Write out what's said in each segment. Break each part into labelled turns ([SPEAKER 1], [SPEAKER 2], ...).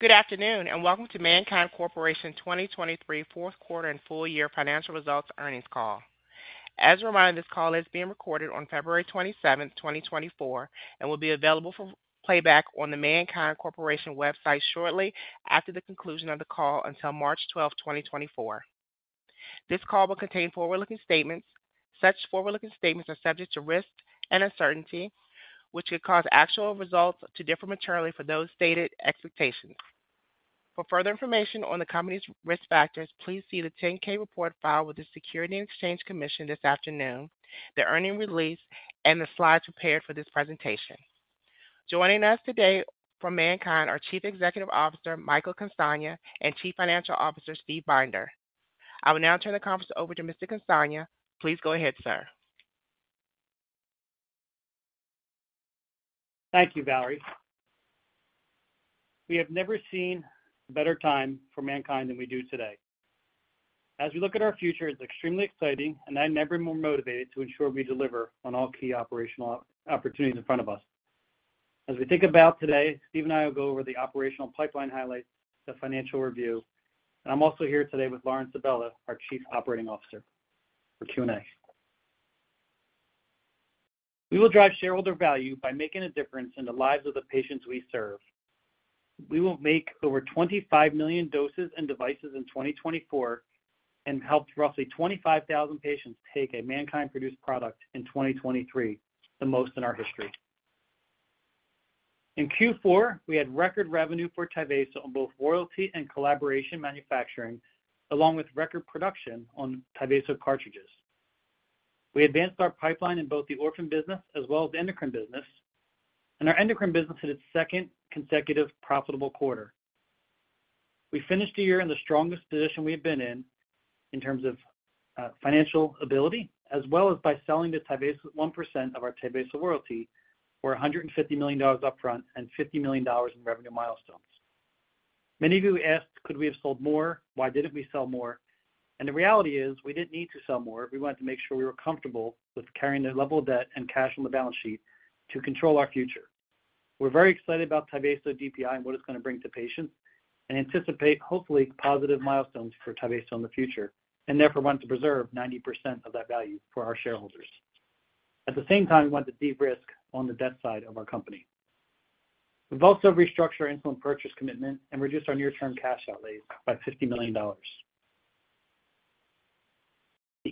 [SPEAKER 1] Good afternoon and welcome to MannKind Corporation 2023 fourth quarter and full year financial results earnings call. As a reminder, this call is being recorded on February 27, 2024, and will be available for playback on the MannKind Corporation website shortly after the conclusion of the call until March 12, 2024. This call will contain forward-looking statements. Such forward-looking statements are subject to risk and uncertainty, which could cause actual results to differ materially from those stated expectations. For further information on the company's risk factors, please see the 10-K report filed with the Securities and Exchange Commission this afternoon, the earnings release, and the slides prepared for this presentation. Joining us today from MannKind are Chief Executive Officer Michael Castagna and Chief Financial Officer Steven Binder. I will now turn the conference over to Mr. Castagna. Please go ahead, sir.
[SPEAKER 2] Thank you, Valerie. We have never seen a better time for MannKind than we do today. As we look at our future, it's extremely exciting, and I am ever more motivated to ensure we deliver on all key operational opportunities in front of us. As we think about today, Steve and I will go over the operational pipeline highlights, the financial review, and I'm also here today with Lauren Sabella, our Chief Operating Officer, for Q&A. We will drive shareholder value by making a difference in the lives of the patients we serve. We will make over 25 million doses and devices in 2024 and helped roughly 25,000 patients take a MannKind-produced product in 2023, the most in our history. In Q4, we had record revenue for Tyvaso on both royalty and collaboration manufacturing, along with record production on Tyvaso cartridges. We advanced our pipeline in both the orphan business as well as the endocrine business, and our endocrine business hit its second consecutive profitable quarter. We finished the year in the strongest position we had been in in terms of financial ability, as well as by selling the Tyvaso 1% of our Tyvaso royalty, we're $150 million upfront and $50 million in revenue milestones. Many of you asked, "Could we have sold more? Why didn't we sell more?" The reality is we didn't need to sell more. We wanted to make sure we were comfortable with carrying the level of debt and cash on the balance sheet to control our future. We're very excited about Tyvaso DPI and what it's going to bring to patients and anticipate, hopefully, positive milestones for Tyvaso in the future, and therefore wanted to preserve 90% of that value for our shareholders. At the same time, we wanted to de-risk on the debt side of our company. We've also restructured our insulin purchase commitment and reduced our near-term cash outlays by $50 million.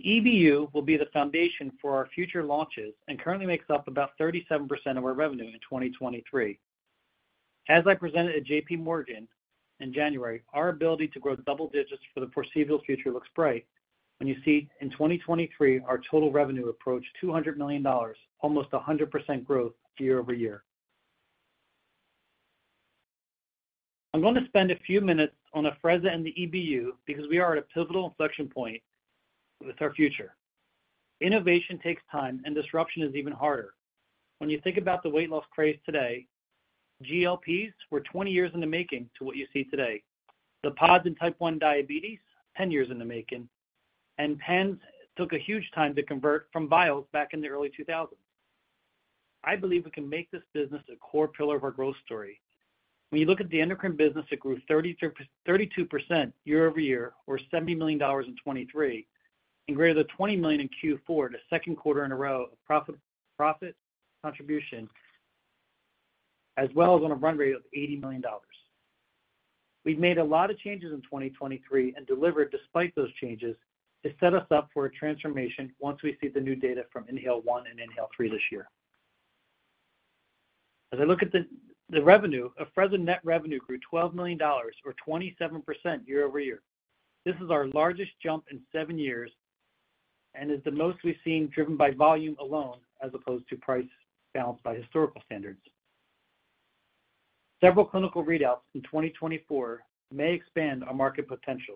[SPEAKER 2] The EBU will be the foundation for our future launches and currently makes up about 37% of our revenue in 2023. As I presented at JPMorgan in January, our ability to grow double digits for the foreseeable future looks bright when you see in 2023, our total revenue approached $200 million, almost 100% growth year over year. I'm going to spend a few minutes on Afrezza and the EBU because we are at a pivotal inflection point with our future. Innovation takes time, and disruption is even harder. When you think about the weight loss craze today, GLPs were 20 years in the making to what you see today. The pods in type 1 diabetes, 10 years in the making, and pens took a huge time to convert from vials back in the early 2000s. I believe we can make this business a core pillar of our growth story. When you look at the endocrine business, it grew 32% year-over-year, or $70 million in 2023, and greater than $20 million in Q4, the second quarter in a row of profit contribution, as well as on a run rate of $80 million. We've made a lot of changes in 2023 and delivered, despite those changes, to set us up for a transformation once we see the new data from INHALE-1 and INHALE-3 this year. As I look at the revenue, Afrezza net revenue grew $12 million, or 27% year-over-year. This is our largest jump in 7 years and is the most we've seen driven by volume alone as opposed to price balanced by historical standards. Several clinical readouts in 2024 may expand our market potential,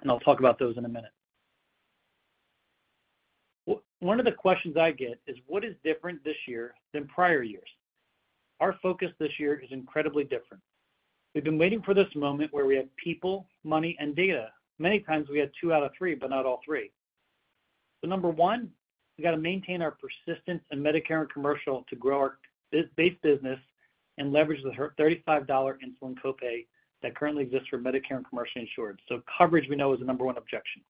[SPEAKER 2] and I'll talk about those in a minute. One of the questions I get is, "What is different this year than prior years?" Our focus this year is incredibly different. We've been waiting for this moment where we have people, money, and data. Many times, we had 2 out of 3, but not all three. So number 1, we got to maintain our persistence in Medicare and commercial to grow our base business and leverage the $35 insulin copay that currently exists for Medicare and commercial insured. So coverage we know is the number 1 objection.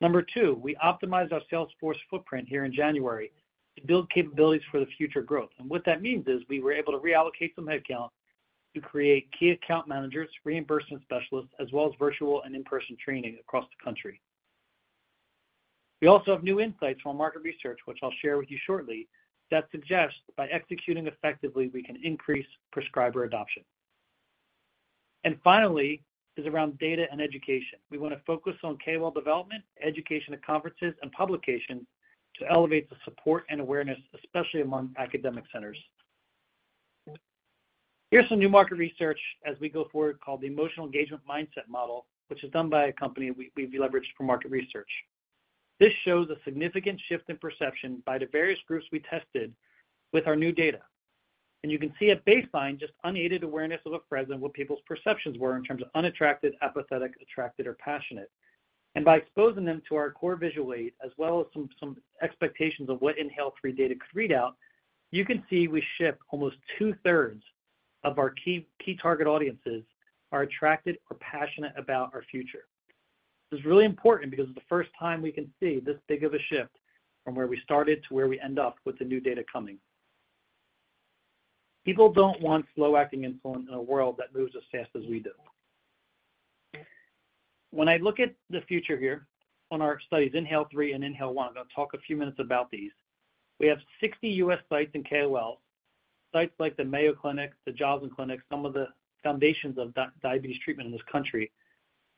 [SPEAKER 2] Number 2, we optimized our sales force footprint here in January to build capabilities for the future growth. And what that means is we were able to reallocate some headcount to create key account managers, reimbursement specialists, as well as virtual and in-person training across the country. We also have new insights from our market research, which I'll share with you shortly, that suggests by executing effectively, we can increase prescriber adoption. And finally is around data and education. We want to focus on KOL development, education at conferences, and publications to elevate the support and awareness, especially among academic centers. Here's some new market research as we go forward called the Emotional Engagement Mindset Model, which is done by a company we've leveraged for market research. This shows a significant shift in perception by the various groups we tested with our new data. You can see at baseline, just unaided awareness of Afrezza and what people's perceptions were in terms of unattracted, apathetic, attracted, or passionate. By exposing them to our core visual aid as well as some expectations of what INHALE-3 data could read out, you can see we shift almost two-thirds of our key target audiences are attracted or passionate about our future. This is really important because it's the first time we can see this big of a shift from where we started to where we end up with the new data coming. People don't want slow-acting insulin in a world that moves as fast as we do. When I look at the future here on our studies, INHALE-3 and INHALE-1, I'm going to talk a few minutes about these. We have 60 U.S. sites and KOLs, sites like the Mayo Clinic, the Joslin Diabetes Center, some of the foundations of diabetes treatment in this country.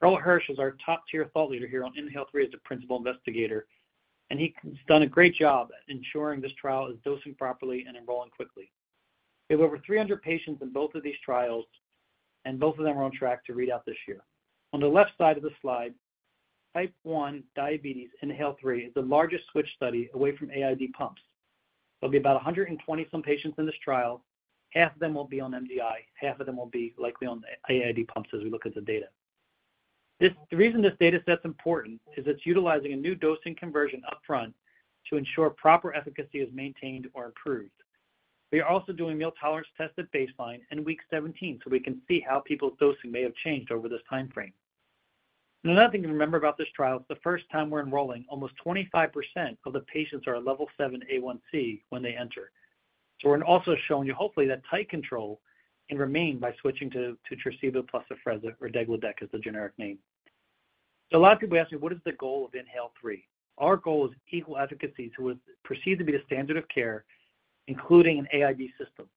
[SPEAKER 2] Irl Hirsch is our top-tier thought leader here on INHALE-3 as a principal investigator, and he's done a great job ensuring this trial is dosing properly and enrolling quickly. We have over 300 patients in both of these trials, and both of them are on track to read out this year. On the left side of the slide, type 1 diabetes, INHALE-3 is the largest switch study away from AID pumps. There'll be about 120-some patients in this trial. Half of them will be on MDI. Half of them will be likely on AID pumps as we look at the data. The reason this data set's important is it's utilizing a new dosing conversion upfront to ensure proper efficacy is maintained or improved. We are also doing meal tolerance tests at baseline in week 17 so we can see how people's dosing may have changed over this time frame. Another thing to remember about this trial is the first time we're enrolling, almost 25% of the patients are a level 7 A1C when they enter. We're also showing you, hopefully, that tight control can remain by switching to Tresiba plus Afrezza, or degludec is the generic name. A lot of people ask me, "What is the goal of INHALE-3?" Our goal is equal efficacy to what's perceived to be the standard of care, including an AID system.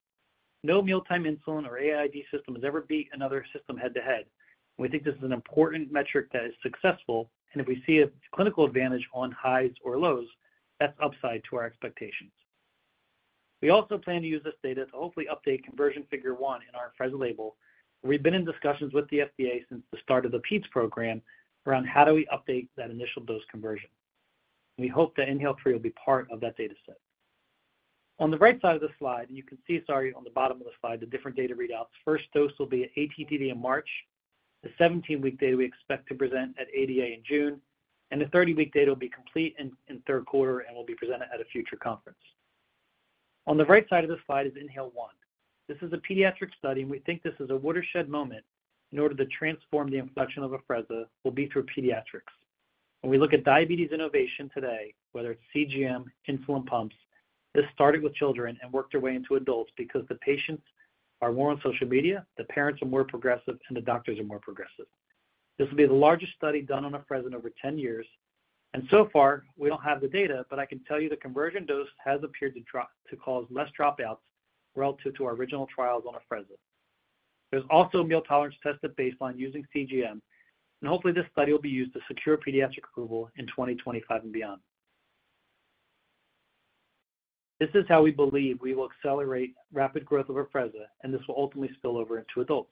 [SPEAKER 2] No mealtime insulin or AID system has ever beat another system head-to-head. We think this is an important metric that is successful, and if we see a clinical advantage on highs or lows, that's upside to our expectations. We also plan to use this data to hopefully update conversion figure one in our Afrezza label. We've been in discussions with the FDA since the start of the peds program around how do we update that initial dose conversion. We hope that INHALE-3 will be part of that data set. On the right side of the slide, and you can see, sorry, on the bottom of the slide, the different data readouts. First dose will be at ATTD in March. The 17-week data we expect to present at ADA in June. And the 30-week data will be complete in third quarter and will be presented at a future conference. On the right side of the slide is INHALE-1. This is a pediatric study, and we think this is a watershed moment in order to transform the inflection of Afrezza will be through pediatrics. When we look at diabetes innovation today, whether it's CGM, insulin pumps, this started with children and worked our way into adults because the patients are more on social media, the parents are more progressive, and the doctors are more progressive. This will be the largest study done on Afrezza in over 10 years. And so far, we don't have the data, but I can tell you the conversion dose has appeared to cause less dropouts relative to our original trials on Afrezza. There's also a meal tolerance test at baseline using CGM. And hopefully, this study will be used to secure pediatric approval in 2025 and beyond. This is how we believe we will accelerate rapid growth of Afrezza, and this will ultimately spill over into adults.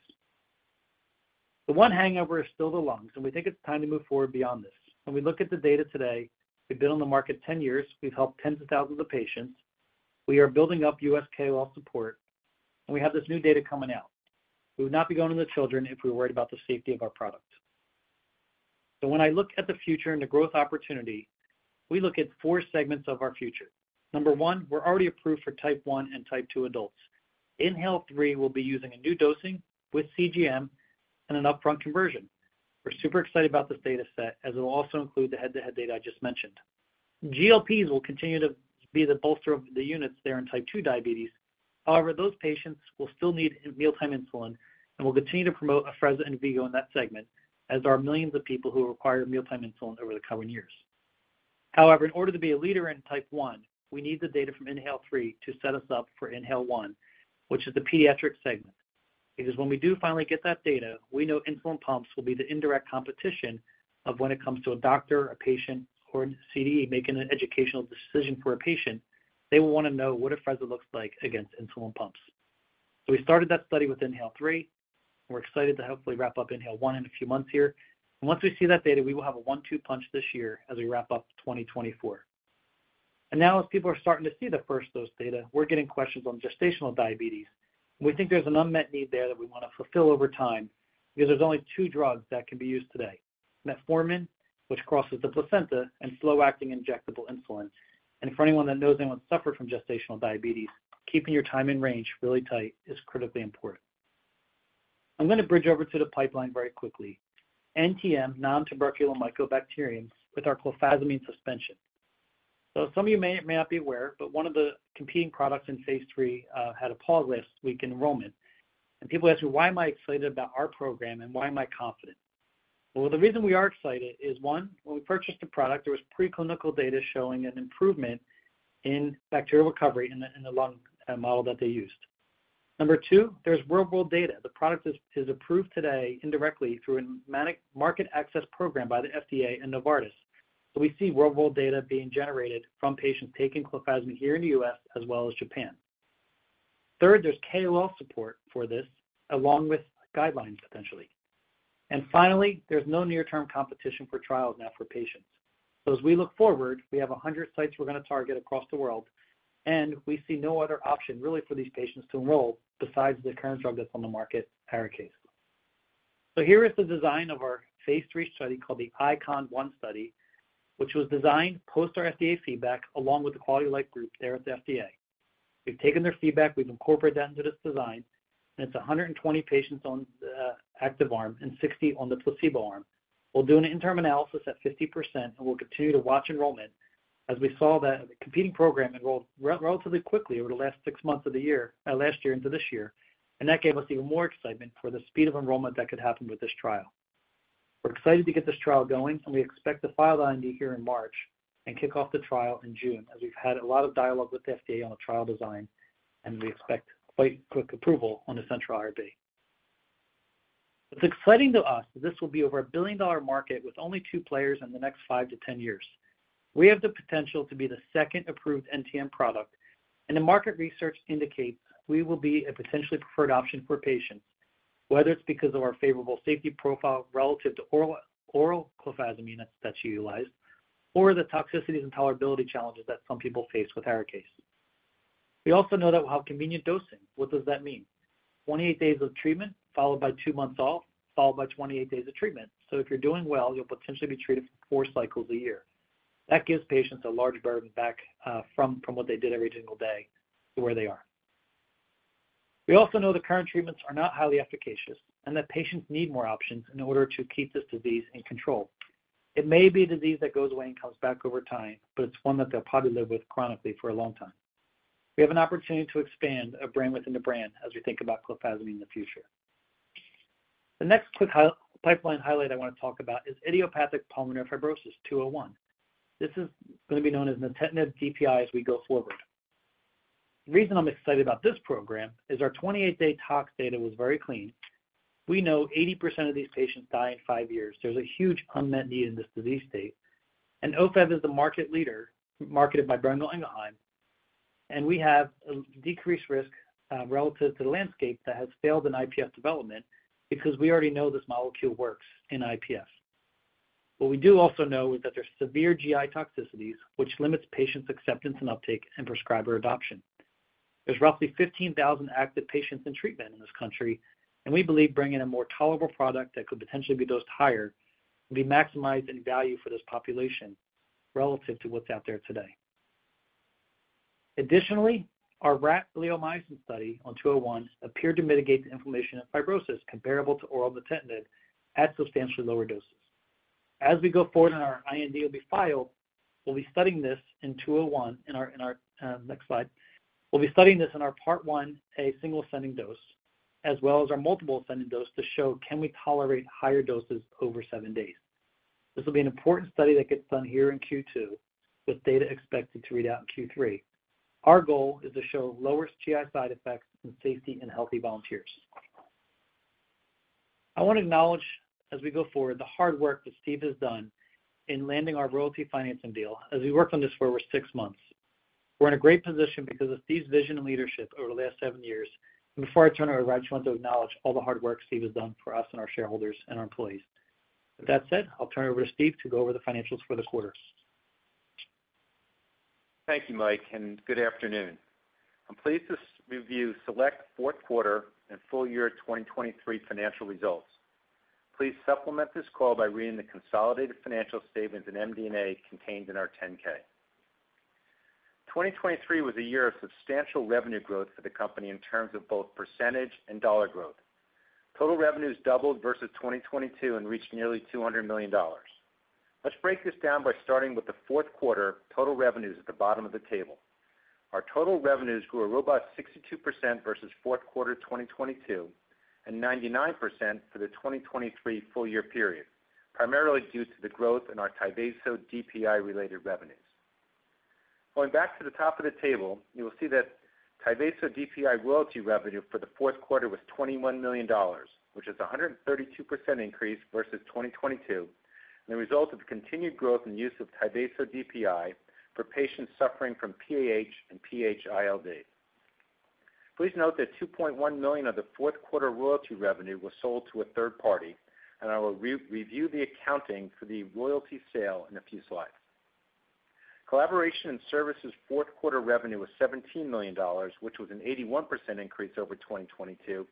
[SPEAKER 2] The one hangover is still the lungs, and we think it's time to move forward beyond this. When we look at the data today, we've been on the market 10 years. We've helped tens of thousands of patients. We are building up U.S. KOL support. We have this new data coming out. We would not be going to the children if we were worried about the safety of our product. So when I look at the future and the growth opportunity, we look at four segments of our future. Number one, we're already approved for type 1 and type 2 adults. INHALE-3 will be using a new dosing with CGM and an upfront conversion. We're super excited about this data set as it will also include the head-to-head data I just mentioned. GLPs will continue to be the bolster of the units there in type 2 diabetes. However, those patients will still need mealtime insulin and will continue to promote Afrezza and V-Go in that segment as there are millions of people who require mealtime insulin over the coming years. However, in order to be a leader in type 1, we need the data from INHALE-3 to set us up for INHALE-1, which is the pediatric segment. Because when we do finally get that data, we know insulin pumps will be the indirect competition when it comes to a doctor, a patient, or a CDE making an educational decision for a patient, they will want to know what Afrezza looks like against insulin pumps. So we started that study with INHALE-3. We're excited to hopefully wrap up INHALE-1 in a few months here. And once we see that data, we will have a one-two punch this year as we wrap up 2024. And now as people are starting to see the first dose data, we're getting questions on gestational diabetes. We think there's an unmet need there that we want to fulfill over time because there's only two drugs that can be used today: metformin, which crosses the placenta, and slow-acting injectable insulin. And for anyone that knows anyone suffered from gestational diabetes, keeping your time in range really tight is critically important. I'm going to bridge over to the pipeline very quickly. NTM, nontuberculous mycobacterium, with our clofazimine suspension. So some of you may not be aware, but one of the competing products in phase three had a pause last week in enrollment. And people ask me, "Why am I excited about our program and why am I confident?" Well, the reason we are excited is, 1, when we purchased the product, there was preclinical data showing an improvement in bacterial recovery in the lung model that they used. 2, there's worldwide data. The product is approved today indirectly through a market access program by the FDA and Novartis. So we see worldwide data being generated from patients taking clofazimine here in the U.S. as well as Japan. Third, there's KOL support for this along with guidelines, potentially. And finally, there's no near-term competition for trials now for patients. So as we look forward, we have 100 sites we're going to target across the world. And we see no other option really for these patients to enroll besides the current drug that's on the market, Arikayce. Here is the design of our phase 3 study called the ICON-1 study, which was designed post our FDA feedback along with the Quality of Life Group there at the FDA. We've taken their feedback. We've incorporated that into this design. It's 120 patients on the active arm and 60 on the placebo arm. We'll do an interim analysis at 50%, and we'll continue to watch enrollment as we saw that the competing program enrolled relatively quickly over the last 6 months of the year last year into this year. That gave us even more excitement for the speed of enrollment that could happen with this trial. We're excited to get this trial going, and we expect to file the IND here in March and kick off the trial in June as we've had a lot of dialogue with the FDA on the trial design. We expect quite quick approval on the central IRB. It's exciting to us that this will be over a billion-dollar market with only 2 players in the next 5-10 years. We have the potential to be the second approved NTM product. And the market research indicates we will be a potentially preferred option for patients, whether it's because of our favorable safety profile relative to oral clofazimine that's utilized or the toxicities and tolerability challenges that some people face with ARIKAYCE. We also know that we'll have convenient dosing. What does that mean? 28 days of treatment followed by 2 months off followed by 28 days of treatment. So if you're doing well, you'll potentially be treated for 4 cycles a year. That gives patients a large burden back from what they did every single day to where they are. We also know the current treatments are not highly efficacious and that patients need more options in order to keep this disease in control. It may be a disease that goes away and comes back over time, but it's one that they'll probably live with chronically for a long time. We have an opportunity to expand a brand within a brand as we think about clofazimine in the future. The next quick pipeline highlight I want to talk about is idiopathic pulmonary fibrosis 201. This is going to be known as Nintedanib DPI as we go forward. The reason I'm excited about this program is our 28-day tox data was very clean. We know 80% of these patients die in five years. There's a huge unmet need in this disease state. And Ofev is the market leader marketed by Boehringer Ingelheim. We have a decreased risk relative to the landscape that has failed in IPF development because we already know this molecule works in IPF. What we do also know is that there's severe GI toxicities, which limits patients' acceptance and uptake and prescriber adoption. There's roughly 15,000 active patients in treatment in this country. We believe bringing a more tolerable product that could potentially be dosed higher will be maximized in value for this population relative to what's out there today. Additionally, our rat bleomycin study on MNKD-201 appeared to mitigate the inflammation and fibrosis comparable to oral nintedanib at substantially lower doses. As we go forward and our IND will be filed, we'll be studying this in MNKD-201 in our next slide. We'll be studying this in our Phase 1, a single ascending dose, as well as our multiple ascending dose to show can we tolerate higher doses over 7 days. This will be an important study that gets done here in Q2 with data expected to read out in Q3. Our goal is to show lowest GI side effects and safety in healthy volunteers. I want to acknowledge as we go forward the hard work that Steve has done in landing our royalty financing deal as we worked on this for over 6 months. We're in a great position because of Steve's vision and leadership over the last 7 years. Before I turn it over, I just want to acknowledge all the hard work Steve has done for us and our shareholders and our employees. With that said, I'll turn it over to Steve to go over the financials for the quarter.
[SPEAKER 3] Thank you, Mike, and good afternoon. I'm pleased to review select fourth quarter and full year 2023 financial results. Please supplement this call by reading the consolidated financial statements and MD&A contained in our 10-K. 2023 was a year of substantial revenue growth for the company in terms of both percentage and dollar growth. Total revenues doubled versus 2022 and reached nearly $200 million. Let's break this down by starting with the fourth quarter total revenues at the bottom of the table. Our total revenues grew a robust 62% versus fourth quarter 2022 and 99% for the 2023 full year period, primarily due to the growth in our Tyvaso DPI-related revenues. Going back to the top of the table, you will see that TYVASO DPI royalty revenue for the fourth quarter was $21 million, which is a 132% increase versus 2022 and the result of continued growth and use of TYVASO DPI for patients suffering from PAH and PH-ILD. Please note that $2.1 million of the fourth quarter royalty revenue was sold to a third party, and I will review the accounting for the royalty sale in a few slides. Collaboration and services fourth quarter revenue was $17 million, which was an 81% increase over 2022 and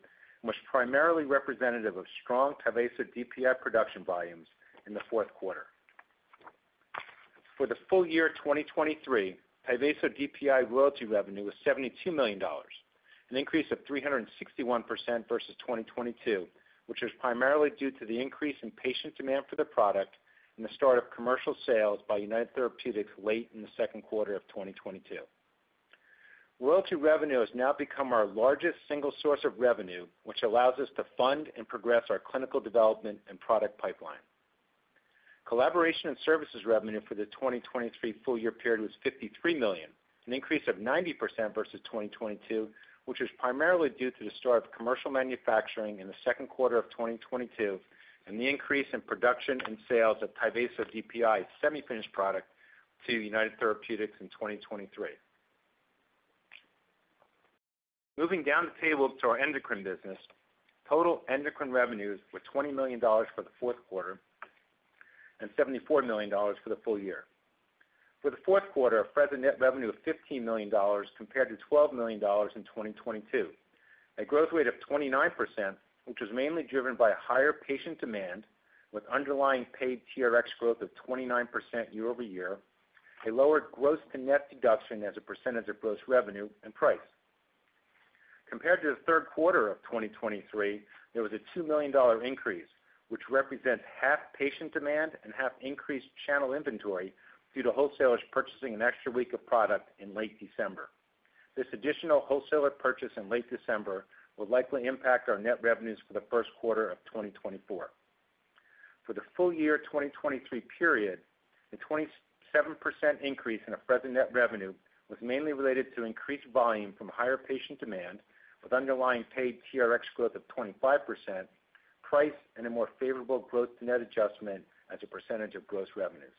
[SPEAKER 3] was primarily representative of strong TYVASO DPI production volumes in the fourth quarter. For the full year 2023, Tyvaso DPI royalty revenue was $72 million, an increase of 361% versus 2022, which was primarily due to the increase in patient demand for the product and the start of commercial sales by United Therapeutics late in the second quarter of 2022. Royalty revenue has now become our largest single source of revenue, which allows us to fund and progress our clinical development and product pipeline. Collaboration and services revenue for the 2023 full year period was $53 million, an increase of 90% versus 2022, which was primarily due to the start of commercial manufacturing in the second quarter of 2022 and the increase in production and sales of Tyvaso DPI semi-finished product to United Therapeutics in 2023. Moving down the table to our endocrine business, total endocrine revenues were $20 million for the fourth quarter and $74 million for the full year. For the fourth quarter, Afrezza net revenue was $15 million compared to $12 million in 2022. A growth rate of 29%, which was mainly driven by higher patient demand with underlying paid TRX growth of 29% year-over-year, a lower gross-to-net deduction as a percentage of gross revenue and price. Compared to the third quarter of 2023, there was a $2 million increase, which represents half patient demand and half increased channel inventory due to wholesalers purchasing an extra week of product in late December. This additional wholesaler purchase in late December will likely impact our net revenues for the first quarter of 2024. For the full year 2023 period, a 27% increase in Afrezza net revenue was mainly related to increased volume from higher patient demand with underlying paid TRX growth of 25%, price, and a more favorable gross-to-net adjustment as a percentage of gross revenues.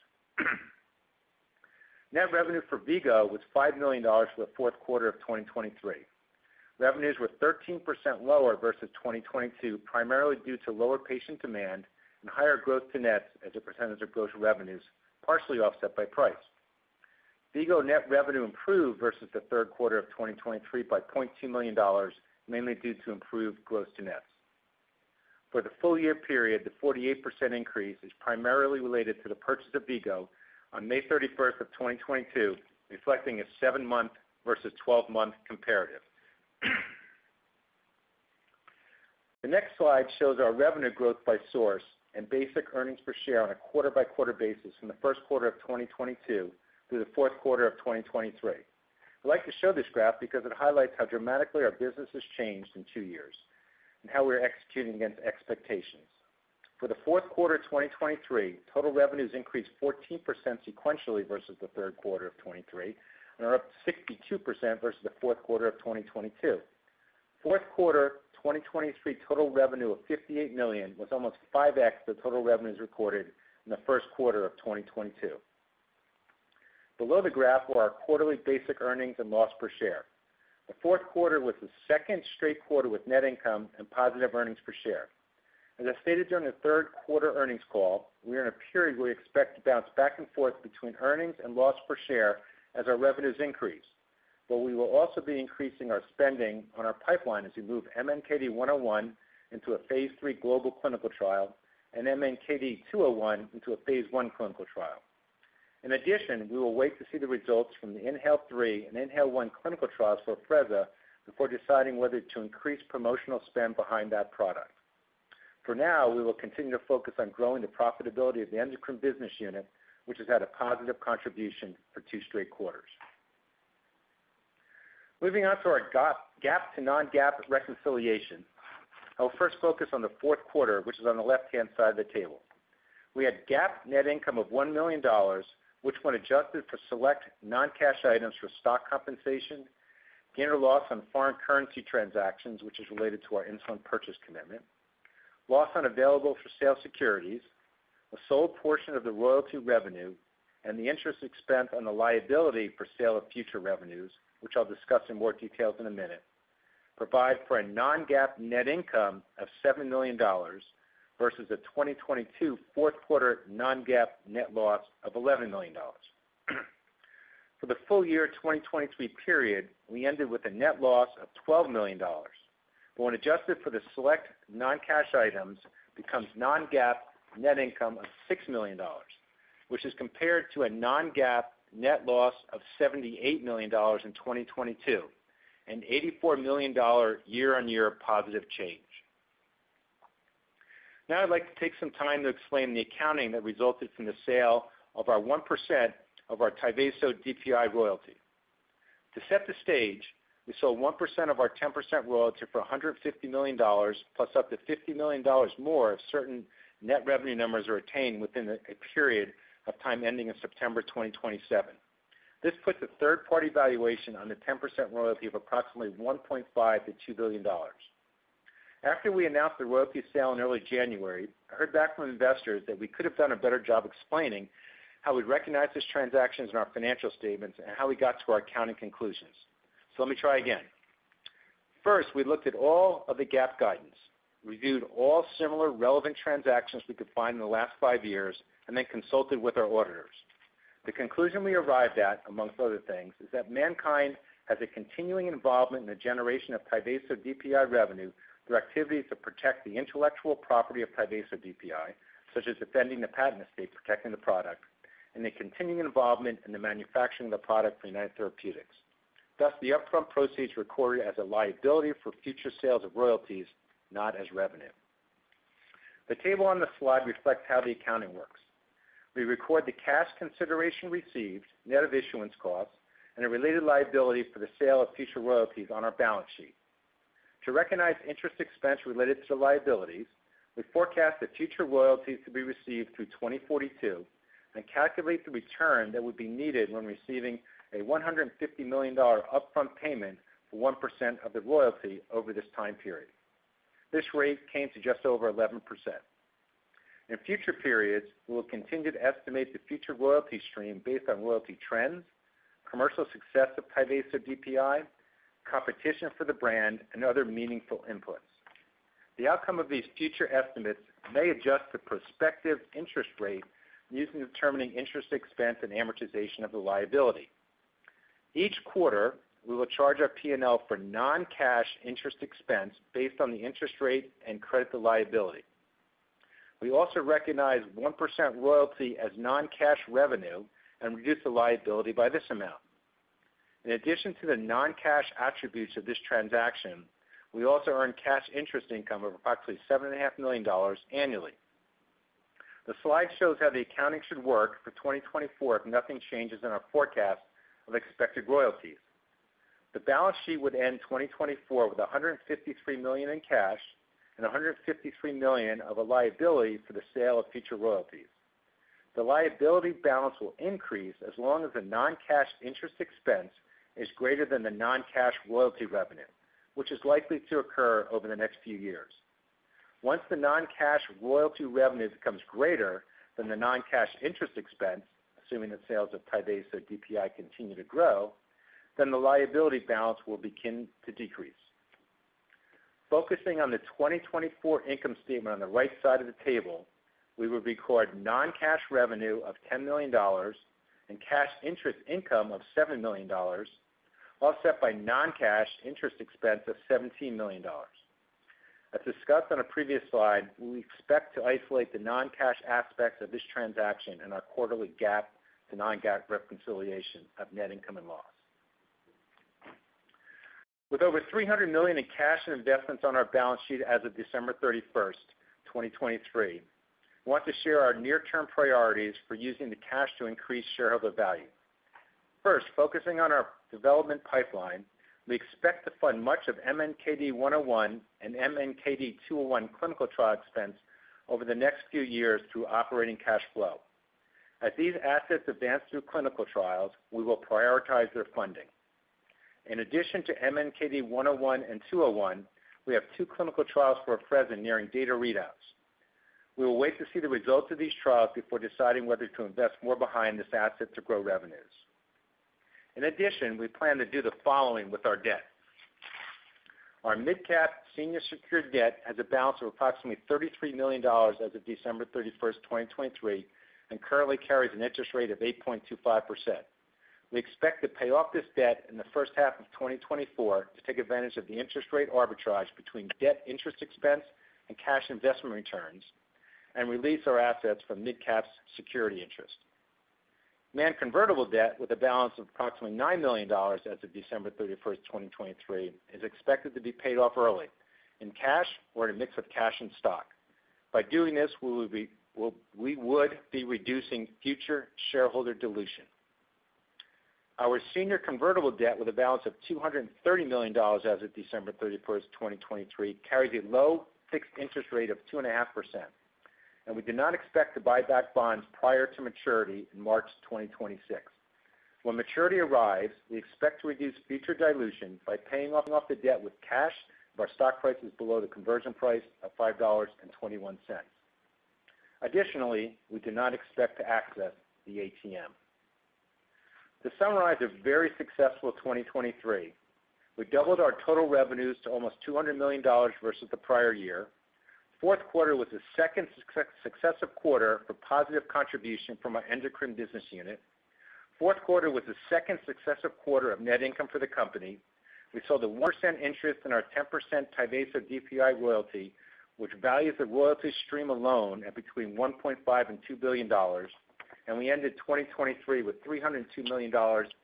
[SPEAKER 3] Net revenue for V-Go was $5 million for the fourth quarter of 2023. Revenues were 13% lower versus 2022, primarily due to lower patient demand and higher gross-to-nets as a percentage of gross revenues, partially offset by price. V-Go net revenue improved versus the third quarter of 2023 by $0.2 million, mainly due to improved gross-to-nets. For the full year period, the 48% increase is primarily related to the purchase of V-Go on May 31st of 2022, reflecting a seven-month versus 12-month comparative. The next slide shows our revenue growth by source and basic earnings per share on a quarter-by-quarter basis from the first quarter of 2022 through the fourth quarter of 2023. I like to show this graph because it highlights how dramatically our business has changed in two years and how we're executing against expectations. For the fourth quarter of 2023, total revenues increased 14% sequentially versus the third quarter of 2023 and are up 62% versus the fourth quarter of 2022. Fourth quarter 2023 total revenue of $58 million was almost 5x the total revenues recorded in the first quarter of 2022. Below the graph are our quarterly basic earnings and loss per share. The fourth quarter was the second straight quarter with net income and positive earnings per share. As I stated during the third quarter earnings call, we're in a period where we expect to bounce back and forth between earnings and loss per share as our revenues increase. But we will also be increasing our spending on our pipeline as we move MNKD-101 into a phase 3 global clinical trial and MNKD-201 into a phase 1 clinical trial. In addition, we will wait to see the results from the INHALE-3 and INHALE-1 clinical trials for Afrezza before deciding whether to increase promotional spend behind that product. For now, we will continue to focus on growing the profitability of the endocrine business unit, which has had a positive contribution for two straight quarters. Moving on to our GAAP-to-non-GAAP reconciliation, I will first focus on the fourth quarter, which is on the left-hand side of the table. We had GAAP net income of $1 million, which went adjusted for select non-cash items for stock compensation, gain or loss on foreign currency transactions, which is related to our insulin purchase commitment, loss on available for sale securities, a sold portion of the royalty revenue, and the interest expense on the liability for sale of future revenues, which I'll discuss in more detail in a minute, provide for a non-GAAP net income of $7 million versus a 2022 fourth quarter non-GAAP net loss of $11 million. For the full year 2023 period, we ended with a net loss of $12 million. But when adjusted for the select non-cash items, it becomes non-GAAP net income of $6 million, which is compared to a non-GAAP net loss of $78 million in 2022 and $84 million year-on-year positive change. Now I'd like to take some time to explain the accounting that resulted from the sale of our 1% of our Tyvaso DPI royalty. To set the stage, we sold 1% of our 10% royalty for $150 million plus up to $50 million more if certain net revenue numbers are attained within a period of time ending in September 2027. This puts a third-party valuation on the 10% royalty of approximately $1.5-$2 billion. After we announced the royalty sale in early January, I heard back from investors that we could have done a better job explaining how we'd recognize those transactions in our financial statements and how we got to our accounting conclusions. So let me try again. First, we looked at all of the GAAP guidance, reviewed all similar relevant transactions we could find in the last five years, and then consulted with our auditors. The conclusion we arrived at, among other things, is that MannKind has a continuing involvement in the generation of Tyvaso DPI revenue through activities to protect the intellectual property of Tyvaso DPI, such as defending the patent estate, protecting the product, and a continuing involvement in the manufacturing of the product for United Therapeutics. Thus, the upfront proceeds recorded as a liability for future sales of royalties, not as revenue. The table on the slide reflects how the accounting works. We record the cash consideration received, net of issuance costs, and a related liability for the sale of future royalties on our balance sheet. To recognize interest expense related to the liabilities, we forecast the future royalties to be received through 2042 and calculate the return that would be needed when receiving a $150 million upfront payment for 1% of the royalty over this time period. This rate came to just over 11%. In future periods, we will continue to estimate the future royalty stream based on royalty trends, commercial success of Tyvaso DPI, competition for the brand, and other meaningful inputs. The outcome of these future estimates may adjust the prospective interest rate used in determining interest expense and amortization of the liability. Each quarter, we will charge our P&L for non-cash interest expense based on the interest rate and credit the liability. We also recognize 1% royalty as non-cash revenue and reduce the liability by this amount. In addition to the non-cash attributes of this transaction, we also earn cash interest income of approximately $7.5 million annually. The slide shows how the accounting should work for 2024 if nothing changes in our forecast of expected royalties. The balance sheet would end 2024 with $153 million in cash and $153 million of a liability for the sale of future royalties. The liability balance will increase as long as the non-cash interest expense is greater than the non-cash royalty revenue, which is likely to occur over the next few years. Once the non-cash royalty revenue becomes greater than the non-cash interest expense, assuming that sales of Tyvaso DPI continue to grow, then the liability balance will begin to decrease. Focusing on the 2024 income statement on the right side of the table, we will record non-cash revenue of $10 million and cash interest income of $7 million, offset by non-cash interest expense of $17 million. As discussed on a previous slide, we expect to isolate the non-cash aspects of this transaction in our quarterly GAAP-to-non-GAAP reconciliation of net income and loss. With over $300 million in cash and investments on our balance sheet as of December 31st, 2023, we want to share our near-term priorities for using the cash to increase shareholder value. First, focusing on our development pipeline, we expect to fund much of MNKD-101 and MNKD-201 clinical trial expense over the next few years through operating cash flow. As these assets advance through clinical trials, we will prioritize their funding. In addition to MNKD-101 and 201, we have two clinical trials for Afrezza nearing data readouts. We will wait to see the results of these trials before deciding whether to invest more behind this asset to grow revenues. In addition, we plan to do the following with our debt. Our MidCap senior secured debt has a balance of approximately $33 million as of December 31st, 2023, and currently carries an interest rate of 8.25%. We expect to pay off this debt in the first half of 2024 to take advantage of the interest rate arbitrage between debt interest expense and cash investment returns and release our assets from MidCap's security interest. MannKind convertible debt with a balance of approximately $9 million as of December 31st, 2023, is expected to be paid off early in cash or in a mix of cash and stock. By doing this, we would be reducing future shareholder dilution. Our senior convertible debt with a balance of $230 million as of December 31st, 2023, carries a low fixed interest rate of 2.5%, and we do not expect to buy back bonds prior to maturity in March 2026. When maturity arrives, we expect to reduce future dilution by paying off the debt with cash if our stock price is below the conversion price of $5.21. Additionally, we do not expect to access the ATM. To summarize a very successful 2023, we doubled our total revenues to almost $200 million versus the prior year. Fourth quarter was the second successive quarter for positive contribution from our endocrine business unit. Fourth quarter was the second successive quarter of net income for the company. We sold the 1% interest in our 10% Tyvaso DPI royalty, which values the royalty stream alone at between $1.5-$2 billion, and we ended 2023 with $302 million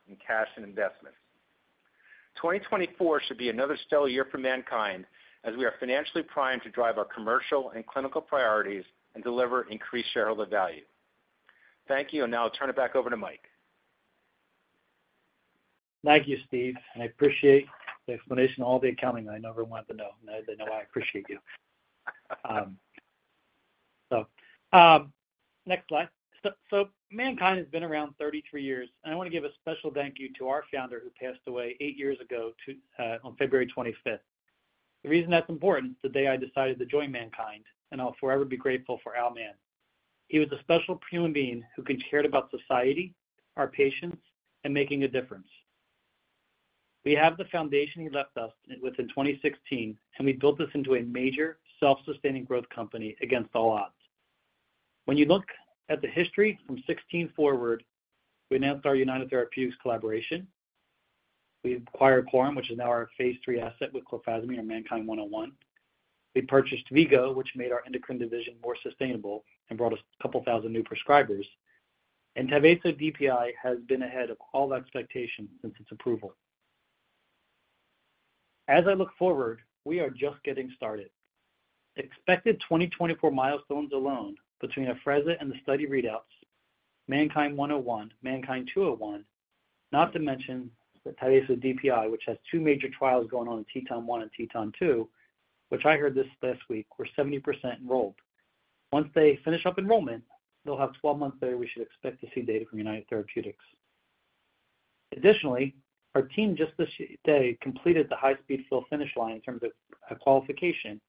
[SPEAKER 3] in cash and investments. 2024 should be another stellar year for MannKind as we are financially primed to drive our commercial and clinical priorities and deliver increased shareholder value. Thank you, and now I'll turn it back over to Mike.
[SPEAKER 2] Thank you, Steve. I appreciate the explanation, all the accounting. I never wanted to know. Now they know I appreciate you. Next slide. MannKind has been around 33 years, and I want to give a special thank you to our founder who passed away 8 years ago on February 25th. The reason that's important is the day I decided to join MannKind, and I'll forever be grateful for Al Mann. He was a special human being who cared about society, our patients, and making a difference. We have the foundation he left us with in 2016, and we built this into a major self-sustaining growth company against all odds. When you look at the history from 2016 forward, we announced our United Therapeutics collaboration. We acquired Qrum, which is now our phase 3 asset with clofazimine, our MNKD-101. We purchased V-Go, which made our endocrine division more sustainable and brought us a couple thousand new prescribers. Tyvaso DPI has been ahead of all expectations since its approval. As I look forward, we are just getting started. Expected 2024 milestones alone between Afrezza and the study readouts, MNKD-101, MNKD-201, not to mention the Tyvaso DPI, which has two major trials going on in TETON-1 and TETON-2, which I heard this last week were 70% enrolled. Once they finish up enrollment, they'll have 12 months there we should expect to see data from United Therapeutics. Additionally, our team just this day completed the high-speed fill finish line in terms of qualification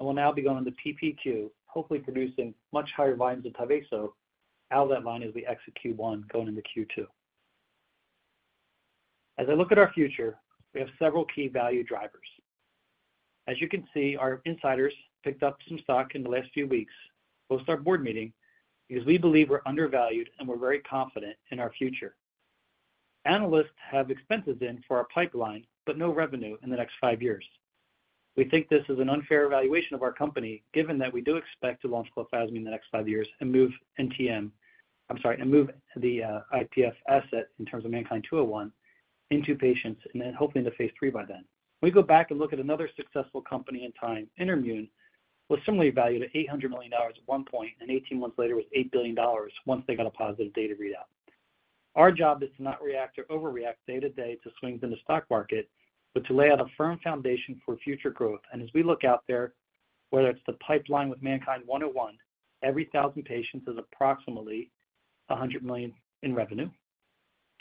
[SPEAKER 2] and will now be going into PPQ, hopefully producing much higher volumes of Tyvaso, out of that line as we exit Q1 going into Q2. As I look at our future, we have several key value drivers. As you can see, our insiders picked up some stock in the last few weeks, post our board meeting, because we believe we're undervalued and we're very confident in our future. Analysts have expenses in for our pipeline but no revenue in the next five years. We think this is an unfair evaluation of our company given that we do expect to launch clofazimine in the next five years and move NTM I'm sorry, and move the IPF asset in terms of MNKD-201 into patients and then hopefully into phase three by then. When we go back and look at another successful company in time, InterMune, was similarly valued at $800 million at one point, and 18 months later was $8 billion once they got a positive data readout. Our job is to not react or overreact day to day to swings in the stock market, but to lay out a firm foundation for future growth. And as we look out there, whether it's the pipeline with MNKD-101, every 1,000 patients is approximately $100 million in revenue.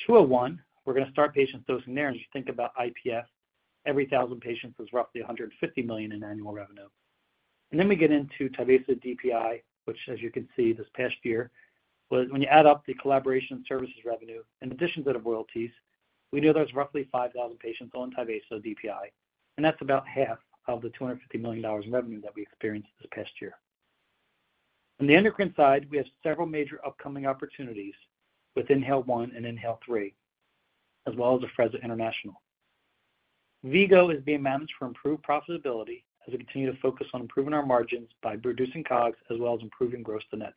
[SPEAKER 2] MNKD-201, we're going to start patients dosing there, and as you think about IPF, every 1,000 patients is roughly $150 million in annual revenue. And then we get into Tyvaso DPI, which, as you can see, this past year, when you add up the collaboration services revenue in addition to the royalties, we know there's roughly 5,000 patients on Tyvaso DPI. And that's about half of the $250 million in revenue that we experienced this past year. On the endocrine side, we have several major upcoming opportunities with INHALE-1 and INHALE-3, as well as Afrezza International. V-Go is being managed for improved profitability as we continue to focus on improving our margins by reducing COGS as well as improving gross-to-nets.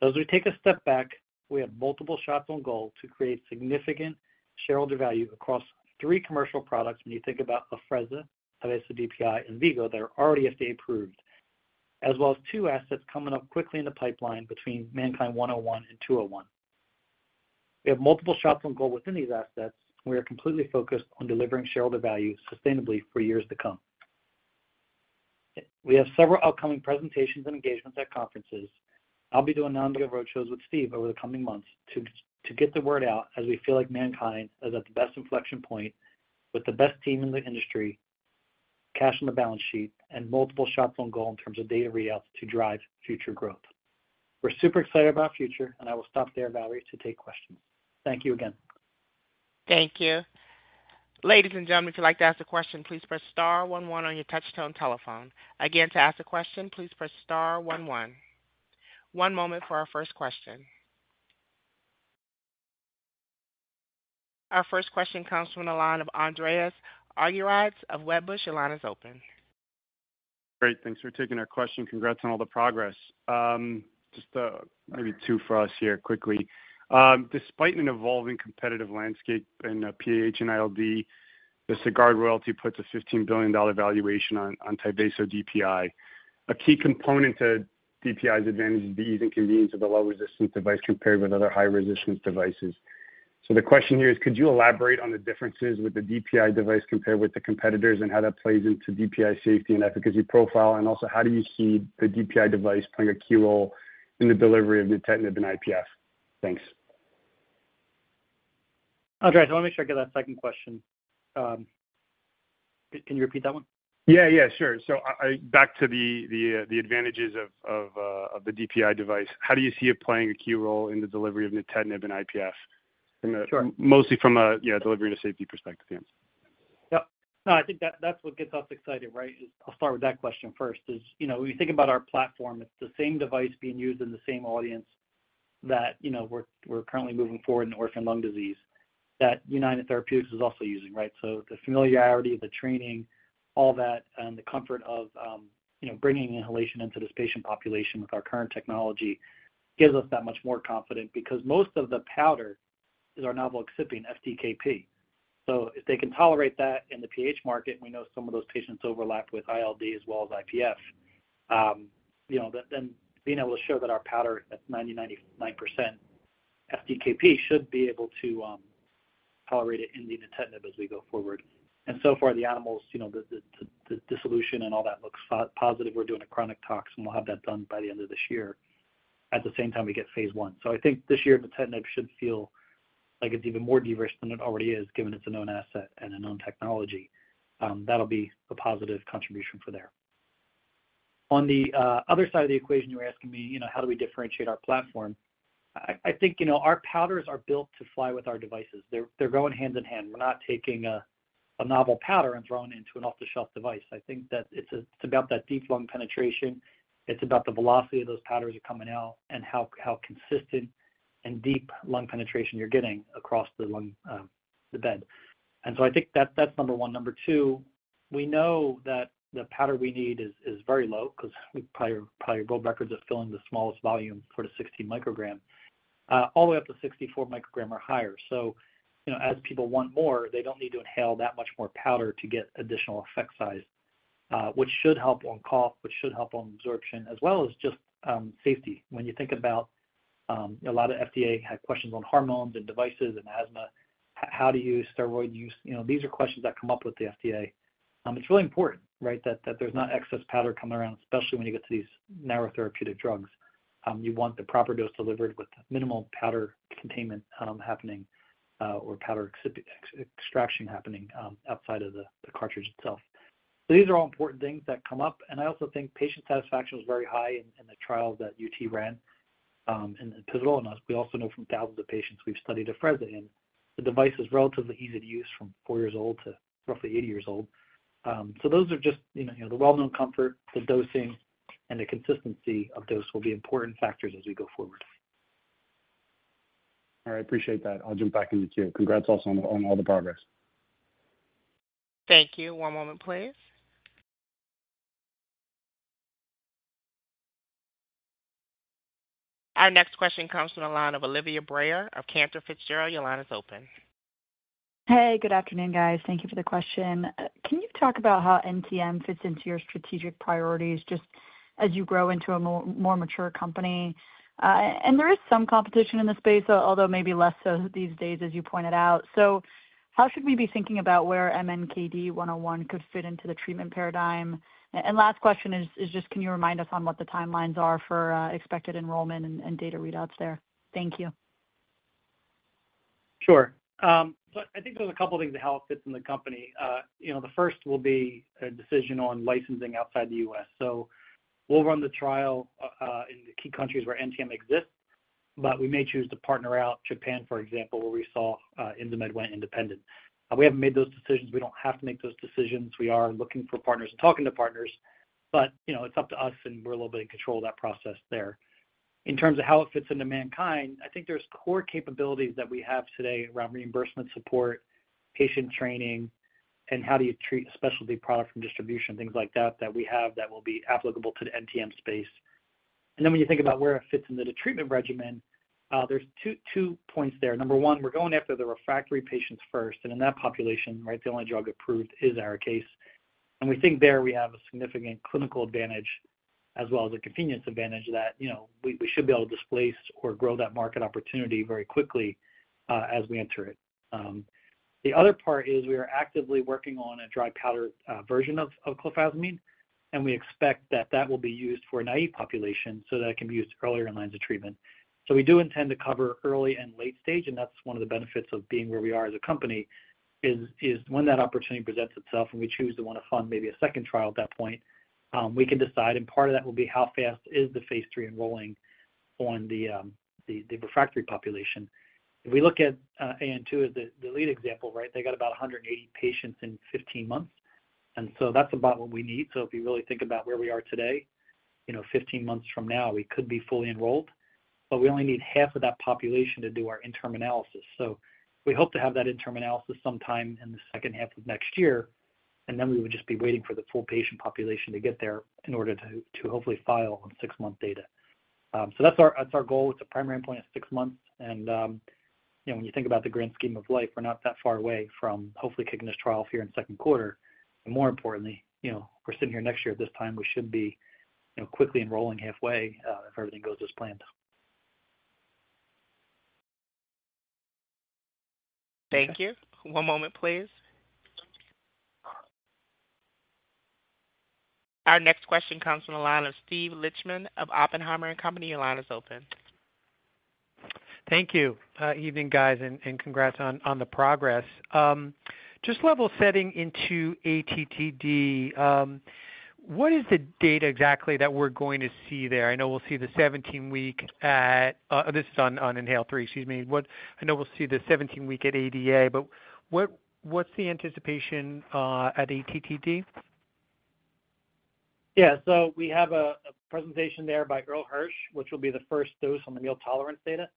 [SPEAKER 2] As we take a step back, we have multiple shots on goal to create significant shareholder value across three commercial products when you think about Afrezza, Tyvaso DPI, and V-Go that are already FDA approved, as well as two assets coming up quickly in the pipeline between MNKD-101 and MNKD-201. We have multiple shots on goal within these assets, and we are completely focused on delivering shareholder value sustainably for years to come. We have several upcoming presentations and engagements at conferences. I'll be doing non-deal roadshows with Steve over the coming months to get the word out as we feel like MannKind is at the best inflection point with the best team in the industry, cash on the balance sheet, and multiple shots on goal in terms of data readouts to drive future growth. We're super excited about future, and I will stop there, Valerie, to take questions. Thank you again.
[SPEAKER 1] Thank you. Ladies and gentlemen, if you'd like to ask a question, please press star 11 on your touch-tone telephone. Again, to ask a question, please press star 11. One moment for our first question. Our first question comes from the line of Andreas Argyrides of Wedbush. Your line is open.
[SPEAKER 4] Great. Thanks for taking our question. Congrats on all the progress. Just maybe two for us here quickly. Despite an evolving competitive landscape in PAH and ILD, the Tyvaso royalty puts a $15 billion valuation on Tyvaso DPI. A key component to DPI's advantage is the ease and convenience of a low-resistance device compared with other high-resistance devices. So the question here is, could you elaborate on the differences with the DPI device compared with the competitors and how that plays into DPI safety and efficacy profile? And also, how do you see the DPI device playing a key role in the delivery of nintedanib and IPF? Thanks.
[SPEAKER 2] Andreas, I want to make sure I get that second question. Can you repeat that one?
[SPEAKER 4] Yeah, yeah, sure. So back to the advantages of the DPI device, how do you see it playing a key role in the delivery of nintedanib and IPF, mostly from a delivery and a safety perspective?
[SPEAKER 2] Yep. No, I think that's what gets us excited, right? I'll start with that question first. When you think about our platform, it's the same device being used in the same audience that we're currently moving forward in orphan lung disease that United Therapeutics is also using, right? So the familiarity, the training, all that, and the comfort of bringing inhalation into this patient population with our current technology gives us that much more confidence because most of the powder is our novel excipient, FDKP. So if they can tolerate that in the PAH market, and we know some of those patients overlap with ILD as well as IPF, then being able to show that our powder at 90%-99% FDKP should be able to tolerate it in the nintedanib as we go forward. And so far, the animals, the dissolution and all that looks positive. We're doing a chronic tox, and we'll have that done by the end of this year. At the same time, we get phase 1. So I think this year, nintedanib should feel like it's even more diverse than it already is given it's a known asset and a known technology. That'll be a positive contribution for there. On the other side of the equation, you were asking me, how do we differentiate our platform? I think our powders are built to fly with our devices. They're going hand in hand. We're not taking a novel powder and throwing it into an off-the-shelf device. I think that it's about that deep lung penetration. It's about the velocity of those powders that are coming out and how consistent and deep lung penetration you're getting across the board. And so I think that's number 1. Number two, we know that the powder we need is very low because we probably have world records of filling the smallest volume for the 60 microgram all the way up to 64 microgram or higher. So as people want more, they don't need to inhale that much more powder to get additional effect size, which should help on cough, which should help on absorption, as well as just safety. When you think about a lot of FDA had questions on hormones and devices and asthma, how do you use steroid use? These are questions that come up with the FDA. It's really important, right, that there's not excess powder coming around, especially when you get to these narrow therapeutic drugs. You want the proper dose delivered with minimal powder containment happening or powder extraction happening outside of the cartridge itself. So these are all important things that come up. And I also think patient satisfaction was very high in the trial that UT ran in pivotal. And we also know from thousands of patients we've studied Afrezza in. The device is relatively easy to use from four years old to roughly 80 years old. So those are just the well-known comfort, the dosing, and the consistency of dose will be important factors as we go forward.
[SPEAKER 4] All right. Appreciate that. I'll jump back into queue. Congrats also on all the progress.
[SPEAKER 1] Thank you. One moment, please. Our next question comes from the line of Olivia Brayer of Cantor Fitzgerald. Your line is open.
[SPEAKER 5] Hey, good afternoon, guys. Thank you for the question. Can you talk about how NTM fits into your strategic priorities just as you grow into a more mature company? And there is some competition in the space, although maybe less so these days, as you pointed out. So how should we be thinking about where MNKD-101 could fit into the treatment paradigm? And last question is just, can you remind us on what the timelines are for expected enrollment and data readouts there? Thank you.
[SPEAKER 2] Sure. So I think there's a couple of things to how it fits in the company. The first will be a decision on licensing outside the U.S. So we'll run the trial in the key countries where NTM exists, but we may choose to partner out. Japan, for example, where we saw Insmed went independent. We haven't made those decisions. We don't have to make those decisions. We are looking for partners and talking to partners. But it's up to us, and we're a little bit in control of that process there. In terms of how it fits into MannKind, I think there's core capabilities that we have today around reimbursement support, patient training, and how do you treat a specialty product from distribution, things like that that we have that will be applicable to the NTM space. Then when you think about where it fits into the treatment regimen, there are two points there. Number one, we're going after the refractory patients first. And in that population, right, the only drug approved is ARIKAYCE. And we think there we have a significant clinical advantage as well as a convenience advantage that we should be able to displace or grow that market opportunity very quickly as we enter it. The other part is we are actively working on a dry powder version of clofazimine. And we expect that that will be used for a drug-naive population so that it can be used earlier in lines of treatment. So we do intend to cover early and late stage. That's one of the benefits of being where we are as a company is when that opportunity presents itself and we choose to want to fund maybe a second trial at that point, we can decide. Part of that will be how fast is the phase three enrolling on the refractory population? If we look at AN2 as the lead example, right, they got about 180 patients in 15 months. So that's about what we need. So if you really think about where we are today, 15 months from now, we could be fully enrolled. But we only need half of that population to do our internal analysis. So we hope to have that internal analysis sometime in the second half of next year. Then we would just be waiting for the full patient population to get there in order to hopefully file on 6-month data. That's our goal. It's a primary endpoint of six months. When you think about the grand scheme of life, we're not that far away from hopefully kicking this trial off here in second quarter. More importantly, we're sitting here next year at this time. We should be quickly enrolling halfway if everything goes as planned.
[SPEAKER 1] Thank you. One moment, please. Our next question comes from the line of Steve Lichtman of Oppenheimer and Company. Your line is open.
[SPEAKER 6] Thank you. Evening, guys, and congrats on the progress. Just level setting into ATTD, what is the data exactly that we're going to see there? I know we'll see the 17-week at this is on INHALE-3, excuse me. I know we'll see the 17-week at ADA, but what's the anticipation at ATTD?
[SPEAKER 2] Yeah. So we have a presentation there by Irl Hirsch, which will be the first dose on the meal tolerance data.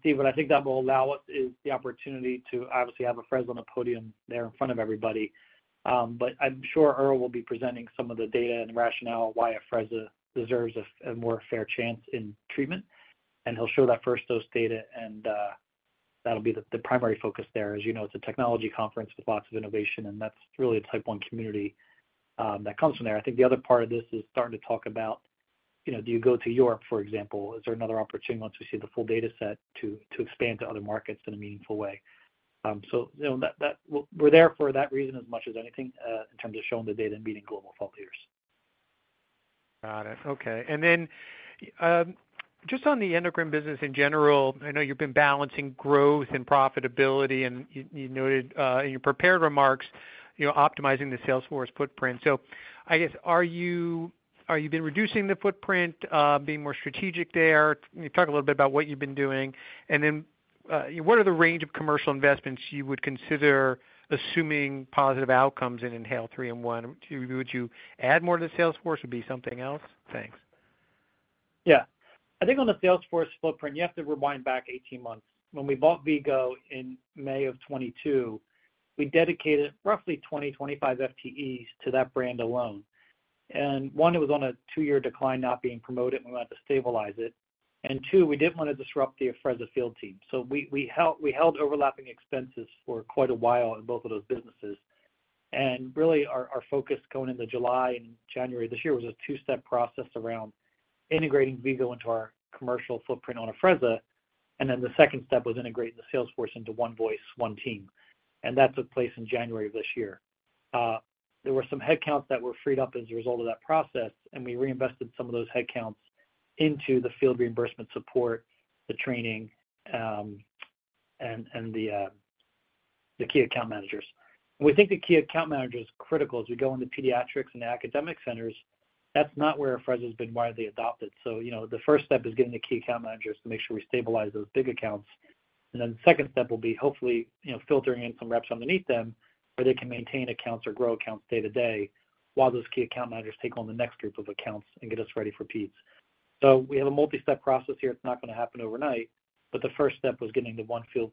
[SPEAKER 2] Steve, what I think that will allow us is the opportunity to obviously have an Afrezza on the podium there in front of everybody. But I'm sure Irl will be presenting some of the data and rationale why an Afrezza deserves a more fair chance in treatment. And he'll show that first dose data. And that'll be the primary focus there. As you know, it's a technology conference with lots of innovation. And that's really a type 1 community that comes from there. I think the other part of this is starting to talk about, do you go to Europe, for example? Is there another opportunity once we see the full dataset to expand to other markets in a meaningful way? So we're there for that reason as much as anything in terms of showing the data and meeting global thought leaders.
[SPEAKER 6] Got it. Okay. And then just on the endocrine business in general, I know you've been balancing growth and profitability. And you noted in your prepared remarks, optimizing the sales force footprint. So I guess, are you been reducing the footprint, being more strategic there? You talked a little bit about what you've been doing. And then what are the range of commercial investments you would consider assuming positive outcomes in INHALE-3 and ICON-1? Would you add more to the sales force? Would it be something else? Thanks.
[SPEAKER 2] Yeah. I think on the sales force footprint, you have to rewind back 18 months. When we bought V-Go in May 2022, we dedicated roughly 20-25 FTEs to that brand alone. One, it was on a 2-year decline not being promoted. We wanted to stabilize it. Two, we didn't want to disrupt the Afrezza field team. So we held overlapping expenses for quite a while in both of those businesses. Really, our focus going into July and January this year was a 2-step process around integrating V-Go into our commercial footprint on Afrezza. Then the second step was integrating the sales force into one voice, one team. That took place in January of this year. There were some headcounts that were freed up as a result of that process. We reinvested some of those headcounts into the field reimbursement support, the training, and the key account managers. We think the key account manager is critical. As we go into pediatrics and academic centers, that's not where Afrezza has been widely adopted. The first step is getting the key account managers to make sure we stabilize those big accounts. Then the second step will be hopefully filtering in some reps underneath them where they can maintain accounts or grow accounts day to day while those key account managers take on the next group of accounts and get us ready for peds. We have a multi-step process here. It's not going to happen overnight. The first step was getting the one field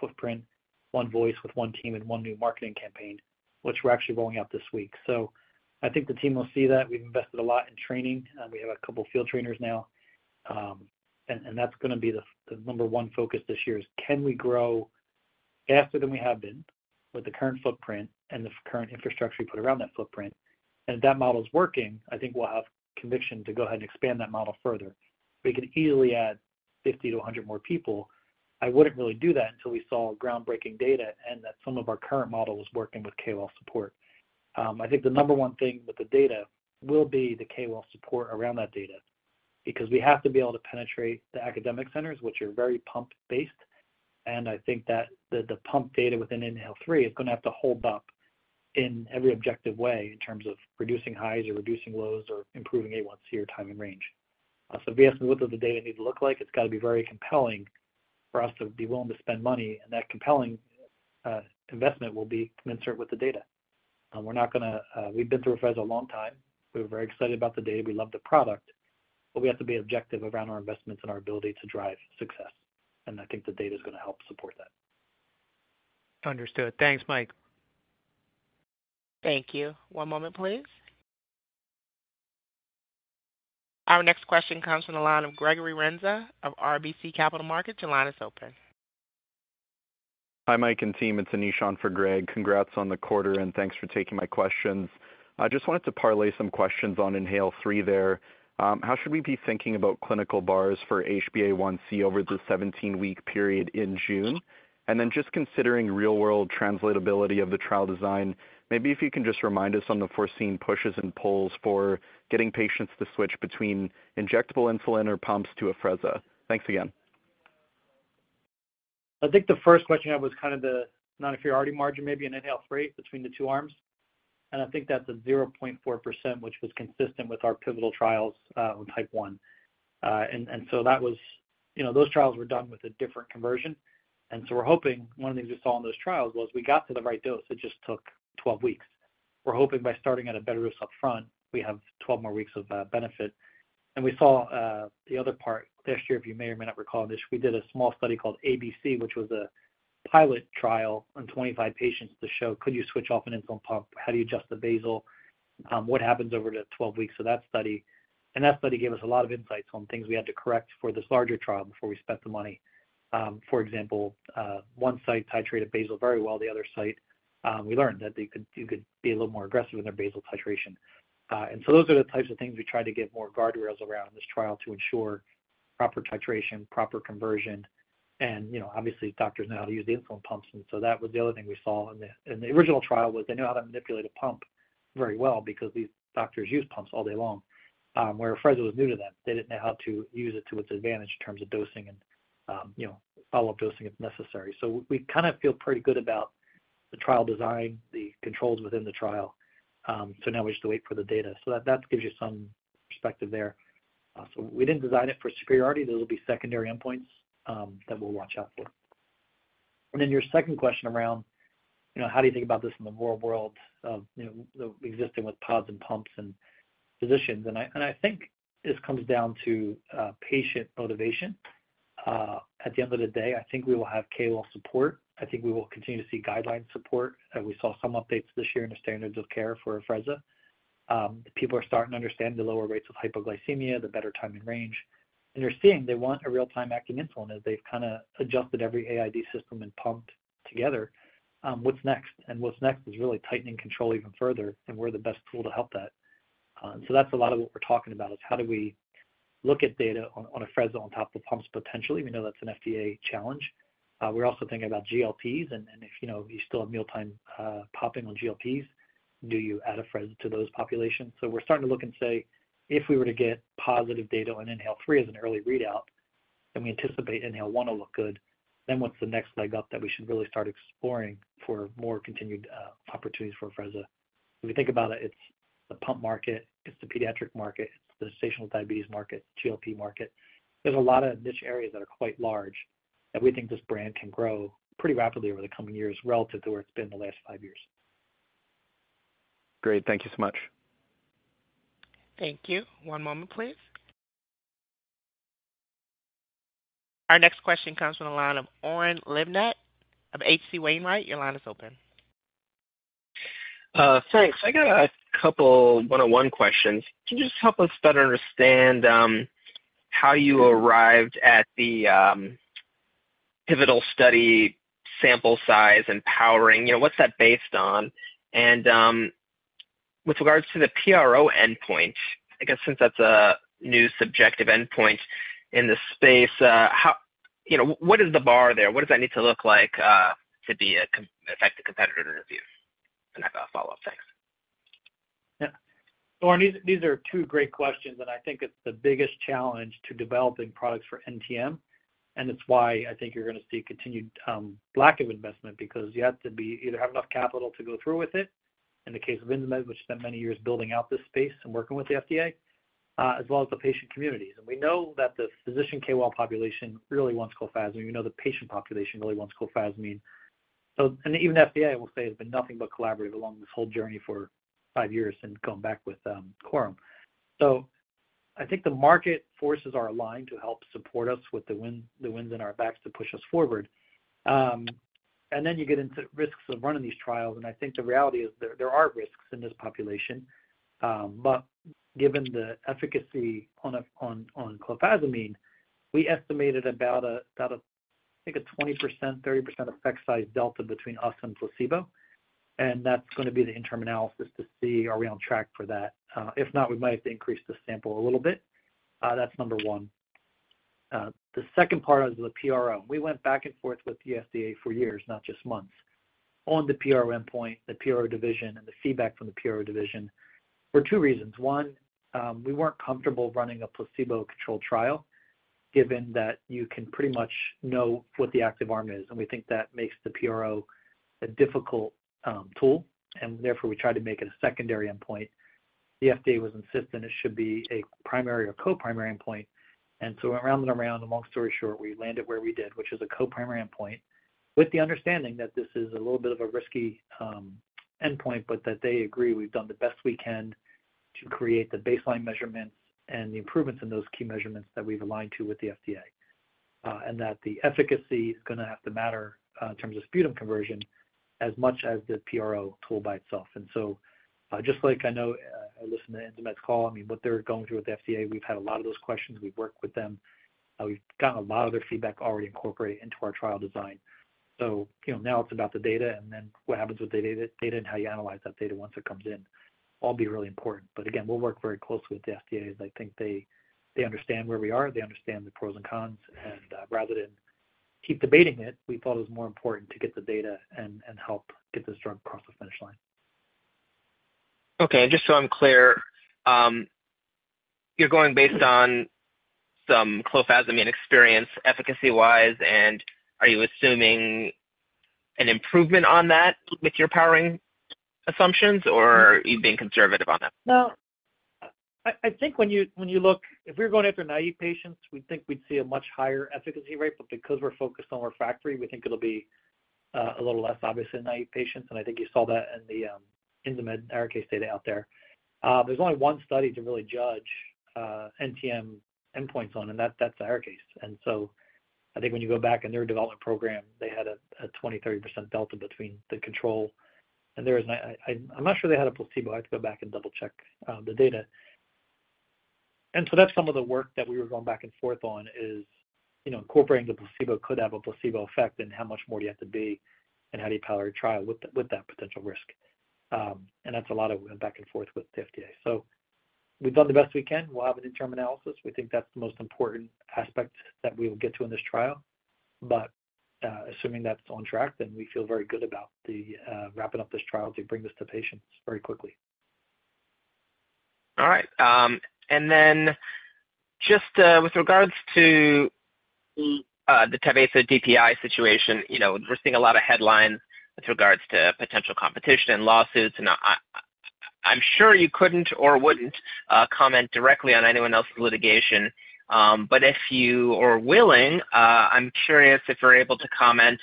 [SPEAKER 2] footprint, one voice with one team, and one new marketing campaign, which we're actually rolling out this week. So I think the team will see that. We've invested a lot in training. We have a couple of field trainers now. And that's going to be the number one focus this year is, can we grow faster than we have been with the current footprint and the current infrastructure we put around that footprint? And if that model is working, I think we'll have conviction to go ahead and expand that model further. We can easily add 50-100 more people. I wouldn't really do that until we saw groundbreaking data and that some of our current model was working with KOL support. I think the number one thing with the data will be the KOL support around that data because we have to be able to penetrate the academic centers, which are very pump-based. I think that the pump data within INHALE-3 is going to have to hold up in every objective way in terms of reducing highs or reducing lows or improving A1C or time in range. So if you ask me what does the data need to look like, it's got to be very compelling for us to be willing to spend money. And that compelling investment will be commensurate with the data. We're not going to. We've been through Afrezza a long time. We were very excited about the data. We loved the product. But we have to be objective around our investments and our ability to drive success. And I think the data is going to help support that.
[SPEAKER 6] Understood. Thanks, Mike.
[SPEAKER 1] Thank you. One moment, please. Our next question comes from the line of Gregory Renza of RBC Capital Markets. Your line is open.
[SPEAKER 7] Hi, Mike, and team. It's Anishan for Greg. Congrats on the quarter, and thanks for taking my questions. I just wanted to parlay some questions on INHALE-3 there. How should we be thinking about clinical bars for HbA1c over the 17-week period in June? And then just considering real-world translatability of the trial design, maybe if you can just remind us on the foreseen pushes and pulls for getting patients to switch between injectable insulin or pumps to Afrezza. Thanks again.
[SPEAKER 2] I think the first question I have was kind of the non-HbA1c margin, maybe an INHALE-3 between the two arms. I think that's a 0.4%, which was consistent with our pivotal trials with type 1. So that was, those trials were done with a different conversion. So we're hoping one of the things we saw in those trials was we got to the right dose. It just took 12 weeks. We're hoping by starting at a better dose upfront, we have 12 more weeks of benefit. We saw the other part last year, if you may or may not recall, we did a small study called ABC, which was a pilot trial on 25 patients to show, could you switch off an insulin pump? How do you adjust the basal? What happens over the 12 weeks of that study? That study gave us a lot of insights on things we had to correct for this larger trial before we spent the money. For example, one site titrated basal very well. The other site, we learned that you could be a little more aggressive in their basal titration. And so those are the types of things we tried to get more guardrails around in this trial to ensure proper titration, proper conversion. And obviously, doctors know how to use the insulin pumps. And so that was the other thing we saw. And the original trial was they knew how to manipulate a pump very well because these doctors use pumps all day long. Where Afrezza was new to them, they didn't know how to use it to its advantage in terms of dosing and follow-up dosing if necessary. So we kind of feel pretty good about the trial design, the controls within the trial. So now we just have to wait for the data. So that gives you some perspective there. So we didn't design it for superiority. Those will be secondary endpoints that we'll watch out for. And then your second question around how do you think about this in the real world of existing with pods and pumps and physicians? And I think this comes down to patient motivation. At the end of the day, I think we will have KOL support. I think we will continue to see guideline support. We saw some updates this year in the standards of care for Afrezza. People are starting to understand the lower rates of hypoglycemia, the better time in range. And they're seeing they want a real-time acting insulin as they've kind of adjusted every AID system and pumped together. What's next? And what's next is really tightening control even further. And we're the best tool to help that. So that's a lot of what we're talking about is how do we look at data on Afrezza on top of pumps potentially? We know that's an FDA challenge. We're also thinking about GLPs. And if you still have mealtime popping on GLPs, do you add an Afrezza to those populations? So we're starting to look and say, if we were to get positive data on INHALE-3 as an early readout, and we anticipate INHALE-1 will look good, then what's the next leg up that we should really start exploring for more continued opportunities for Afrezza? If you think about it, it's the pump market. It's the pediatric market. It's the gestational diabetes market, GLP market. There's a lot of niche areas that are quite large that we think this brand can grow pretty rapidly over the coming years relative to where it's been the last five years.
[SPEAKER 7] Great. Thank you so much.
[SPEAKER 1] Thank you. One moment, please. Our next question comes from the line of Oren Livnat of H.C. Wainwright. Your line is open.
[SPEAKER 8] Thanks. I got a couple one-on-one questions. Can you just help us better understand how you arrived at the Pivotal study sample size and powering? What's that based on? And with regards to the PRO endpoint, I guess since that's a new subjective endpoint in the space, what is the bar there? What does that need to look like to affect the competitor to review? And I've got a follow-up. Thanks.
[SPEAKER 2] Yeah. Oren, these are two great questions. And I think it's the biggest challenge to developing products for NTM. And it's why I think you're going to see continued lack of investment because you have to either have enough capital to go through with it in the case of Insmed, which spent many years building out this space and working with the FDA, as well as the patient communities. And we know that the physician KOL population really wants clofazimine. We know the patient population really wants clofazimine. And even the FDA, I will say, has been nothing but collaborative along this whole journey for five years and going back with Qrum. So I think the market forces are aligned to help support us with the winds in our backs to push us forward. And then you get into risks of running these trials. I think the reality is there are risks in this population. Given the efficacy on clofazimine, we estimated about, I think, a 20%-30% effect size delta between us and placebo. That's going to be the interim analysis to see, are we on track for that? If not, we might have to increase the sample a little bit. That's number one. The second part was the PRO. We went back and forth with the FDA for years, not just months, on the PRO endpoint, the PRO division, and the feedback from the PRO division for two reasons. One, we weren't comfortable running a placebo-controlled trial given that you can pretty much know what the active arm is. We think that makes the PRO a difficult tool. Therefore, we tried to make it a secondary endpoint. The FDA was insistent it should be a primary or co-primary endpoint. And so we went round and around. Long story short, we landed where we did, which is a co-primary endpoint with the understanding that this is a little bit of a risky endpoint, but that they agree we've done the best we can to create the baseline measurements and the improvements in those key measurements that we've aligned to with the FDA and that the efficacy is going to have to matter in terms of sputum conversion as much as the PRO tool by itself. And so just like I know I listened to Insmed's call, I mean, what they're going through with the FDA, we've had a lot of those questions. We've worked with them. We've gotten a lot of their feedback already incorporated into our trial design. So now it's about the data. And then what happens with the data and how you analyze that data once it comes in will be really important. But again, we'll work very closely with the FDA as I think they understand where we are. They understand the pros and cons. And rather than keep debating it, we thought it was more important to get the data and help get this drug across the finish line.
[SPEAKER 8] Okay. And just so I'm clear, you're going based on some clofazimine experience efficacy-wise. And are you assuming an improvement on that with your powering assumptions, or are you being conservative on that?
[SPEAKER 2] No. I think when you look if we were going after naive patients, we'd think we'd see a much higher efficacy rate. But because we're focused on our factory, we think it'll be a little less obvious in naive patients. And I think you saw that in the inhaled ARIKAYCE data out there. There's only one study to really judge NTM endpoints on. And that's ARIKAYCE. And so I think when you go back in their development program, they had a 20%-30% delta between the control. And there isn't. I'm not sure they had a placebo. I have to go back and double-check the data. And so that's some of the work that we were going back and forth on: incorporating the placebo could have a placebo effect and how much more do you have to be and how do you power a trial with that potential risk. And that's a lot of going back and forth with the FDA. So we've done the best we can. We'll have an interim analysis. We think that's the most important aspect that we will get to in this trial. But assuming that's on track, then we feel very good about wrapping up this trial to bring this to patients very quickly.
[SPEAKER 8] All right. Then just with regards to the Tyvaso DPI situation, we're seeing a lot of headlines with regards to potential competition and lawsuits. I'm sure you couldn't or wouldn't comment directly on anyone else's litigation. But if you are willing, I'm curious if we're able to comment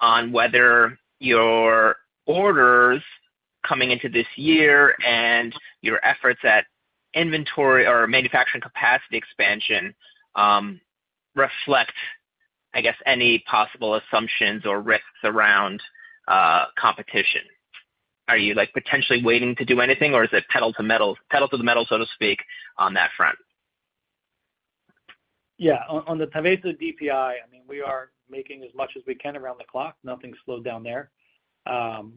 [SPEAKER 8] on whether your orders coming into this year and your efforts at inventory or manufacturing capacity expansion reflect, I guess, any possible assumptions or risks around competition. Are you potentially waiting to do anything, or is it pedal to the metal, so to speak, on that front?
[SPEAKER 2] Yeah. On the Tyvaso DPI, I mean, we are making as much as we can around the clock. Nothing's slowed down there.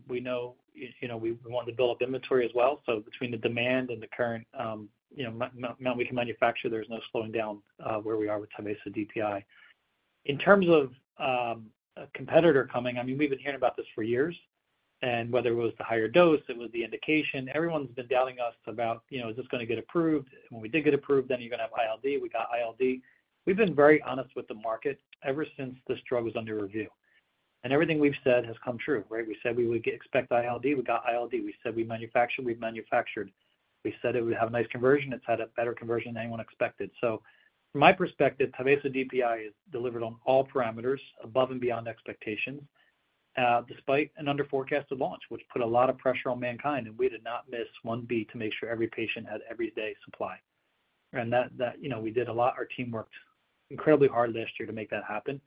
[SPEAKER 2] We know we want to build up inventory as well. So between the demand and the current amount we can manufacture, there's no slowing down where we are with Tyvaso DPI. In terms of a competitor coming, I mean, we've been hearing about this for years. And whether it was the higher dose, it was the indication. Everyone's been doubting us about, "Is this going to get approved?" When we did get approved, then you're going to have ILD. We got ILD. We've been very honest with the market ever since this drug was under review. And everything we've said has come true, right? We said we would expect ILD. We got ILD. We said we manufactured. We've manufactured. We said it would have a nice conversion. It's had a better conversion than anyone expected. So from my perspective, Tyvaso DPI has delivered on all parameters above and beyond expectations despite an under-forecasted launch, which put a lot of pressure on MannKind. And we did not miss a beat to make sure every patient had every day supply. And we did a lot. Our team worked incredibly hard last year to make that happen.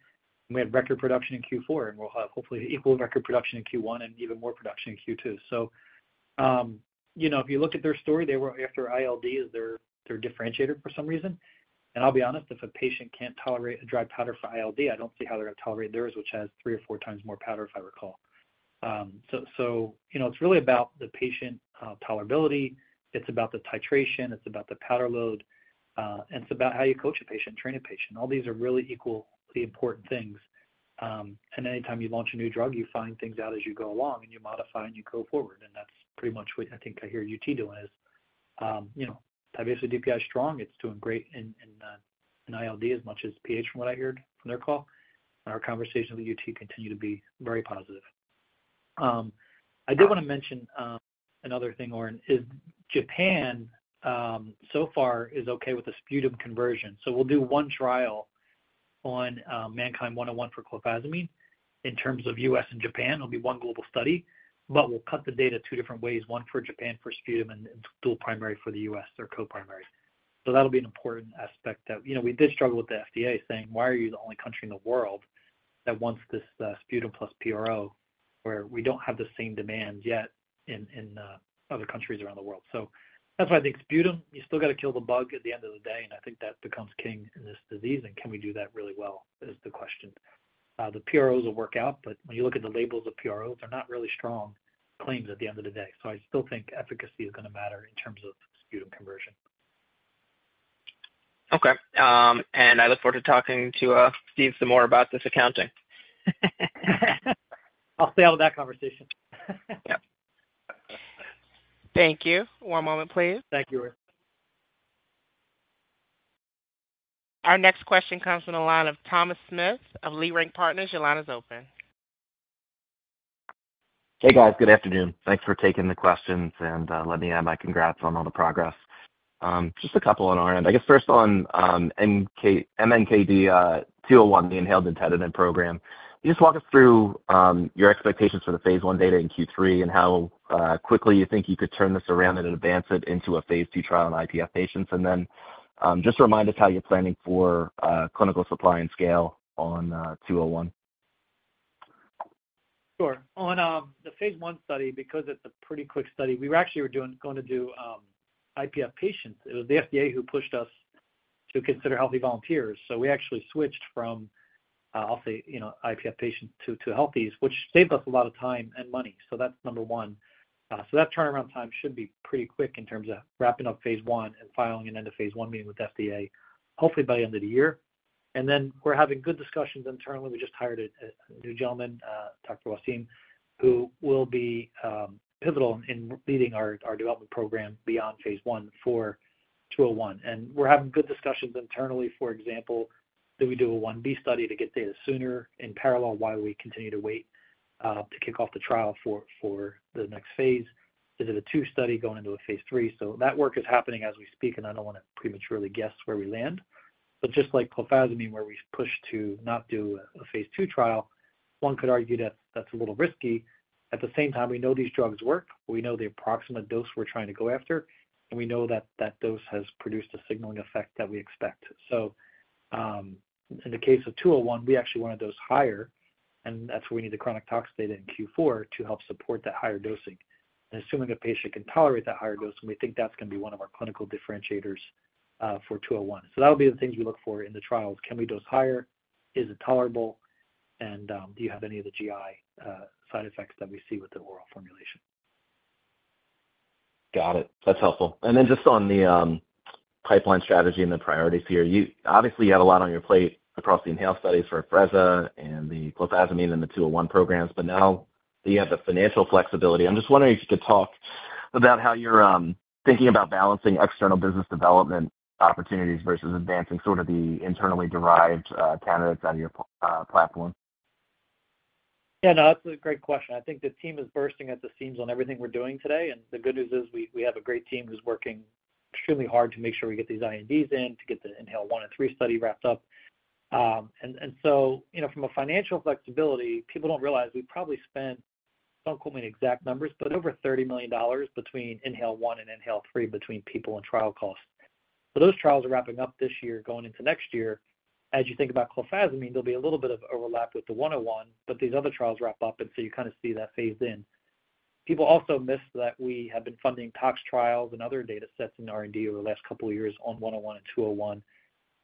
[SPEAKER 2] And we had record production in Q4. And we'll have hopefully equal record production in Q1 and even more production in Q2. So if you look at their story, after ILD is their differentiator for some reason. And I'll be honest, if a patient can't tolerate a dry powder for ILD, I don't see how they're going to tolerate theirs, which has three or four times more powder, if I recall. So it's really about the patient tolerability. It's about the titration. It's about the powder load. And it's about how you coach a patient, train a patient. All these are really equally important things. And anytime you launch a new drug, you find things out as you go along, and you modify, and you go forward. And that's pretty much what I think I hear UT doing is Tyvaso DPI strong. It's doing great in ILD as much as PAH, from what I heard from their call. And our conversations with UT continue to be very positive. I did want to mention another thing, Oren, is Japan so far is okay with the sputum conversion. So we'll do one trial on MNKD-101 for clofazimine in terms of US and Japan. It'll be one global study. But we'll cut the data two different ways, one for Japan, for sputum, and dual primary for the US or co-primary. So that'll be an important aspect that we did struggle with the FDA saying, "Why are you the only country in the world that wants this sputum plus PRO where we don't have the same demands yet in other countries around the world?" So that's why I think sputum, you still got to kill the bug at the end of the day. And I think that becomes king in this disease. And can we do that really well is the question. The PROs will work out. But when you look at the labels of PROs, they're not really strong claims at the end of the day. So I still think efficacy is going to matter in terms of sputum conversion.
[SPEAKER 8] Okay. And I look forward to talking to Steve some more about this accounting.
[SPEAKER 2] I'll stay out of that conversation.
[SPEAKER 8] Yeah.
[SPEAKER 1] Thank you. One moment, please.
[SPEAKER 2] Thank you, Oren.
[SPEAKER 1] Our next question comes from the line of Thomas Smith of Leerink Partners. Your line is open.
[SPEAKER 9] Hey, guys. Good afternoon. Thanks for taking the questions. Let me add my congrats on all the progress. Just a couple on Oren. I guess first on MNKD-201, the inhaled nintedanib program. Can you just walk us through your expectations for the phase one data in Q3 and how quickly you think you could turn this around and advance it into a phase two trial on IPF patients? Then just remind us how you're planning for clinical supply and scale on 201.
[SPEAKER 2] Sure. On the phase 1 study, because it's a pretty quick study, we actually were going to do IPF patients. It was the FDA who pushed us to consider healthy volunteers. So we actually switched from, I'll say, IPF patients to healthies, which saved us a lot of time and money. So that's number 1. So that turnaround time should be pretty quick in terms of wrapping up phase 1 and filing and end a phase 1 meeting with the FDA, hopefully by the end of the year. And then we're having good discussions internally. We just hired a new gentleman, Dr. Wassim Fares, who will be pivotal in leading our development program beyond phase 1 for 201. And we're having good discussions internally. For example, do we do a 1B study to get data sooner in parallel? Why do we continue to wait to kick off the trial for the next phase? Is it a 2 study going into a phase 3? So that work is happening as we speak. And I don't want to prematurely guess where we land. But just like clofazimine, where we push to not do a phase 2 trial, one could argue that that's a little risky. At the same time, we know these drugs work. We know the approximate dose we're trying to go after. And we know that that dose has produced a signaling effect that we expect. So in the case of 201, we actually want to dose higher. And that's where we need the chronic toxic data in Q4 to help support that higher dosing. And assuming a patient can tolerate that higher dose, and we think that's going to be one of our clinical differentiators for 201. That'll be the things we look for in the trials. Can we dose higher? Is it tolerable? And do you have any of the GI side effects that we see with the oral formulation?
[SPEAKER 9] Got it. That's helpful. And then just on the pipeline strategy and the priorities here, obviously, you have a lot on your plate across the inhaled studies for Afrezza and the clofazimine and the 201 programs. But now that you have the financial flexibility, I'm just wondering if you could talk about how you're thinking about balancing external business development opportunities versus advancing sort of the internally derived candidates out of your platform.
[SPEAKER 2] Yeah. No, that's a great question. I think the team is bursting at the seams on everything we're doing today. And the good news is we have a great team who's working extremely hard to make sure we get these INDs in, to get the INHALE-1 and INHALE-3 study wrapped up. And so from a financial flexibility, people don't realize we probably spend, don't quote me in exact numbers, but over $30 million between INHALE-1 and INHALE-3 between people and trial costs. So those trials are wrapping up this year, going into next year. As you think about clofazimine, there'll be a little bit of overlap with the 101. But these other trials wrap up. And so you kind of see that phased in. People also miss that we have been funding tox trials and other datasets in R&D over the last couple of years on 101 and 201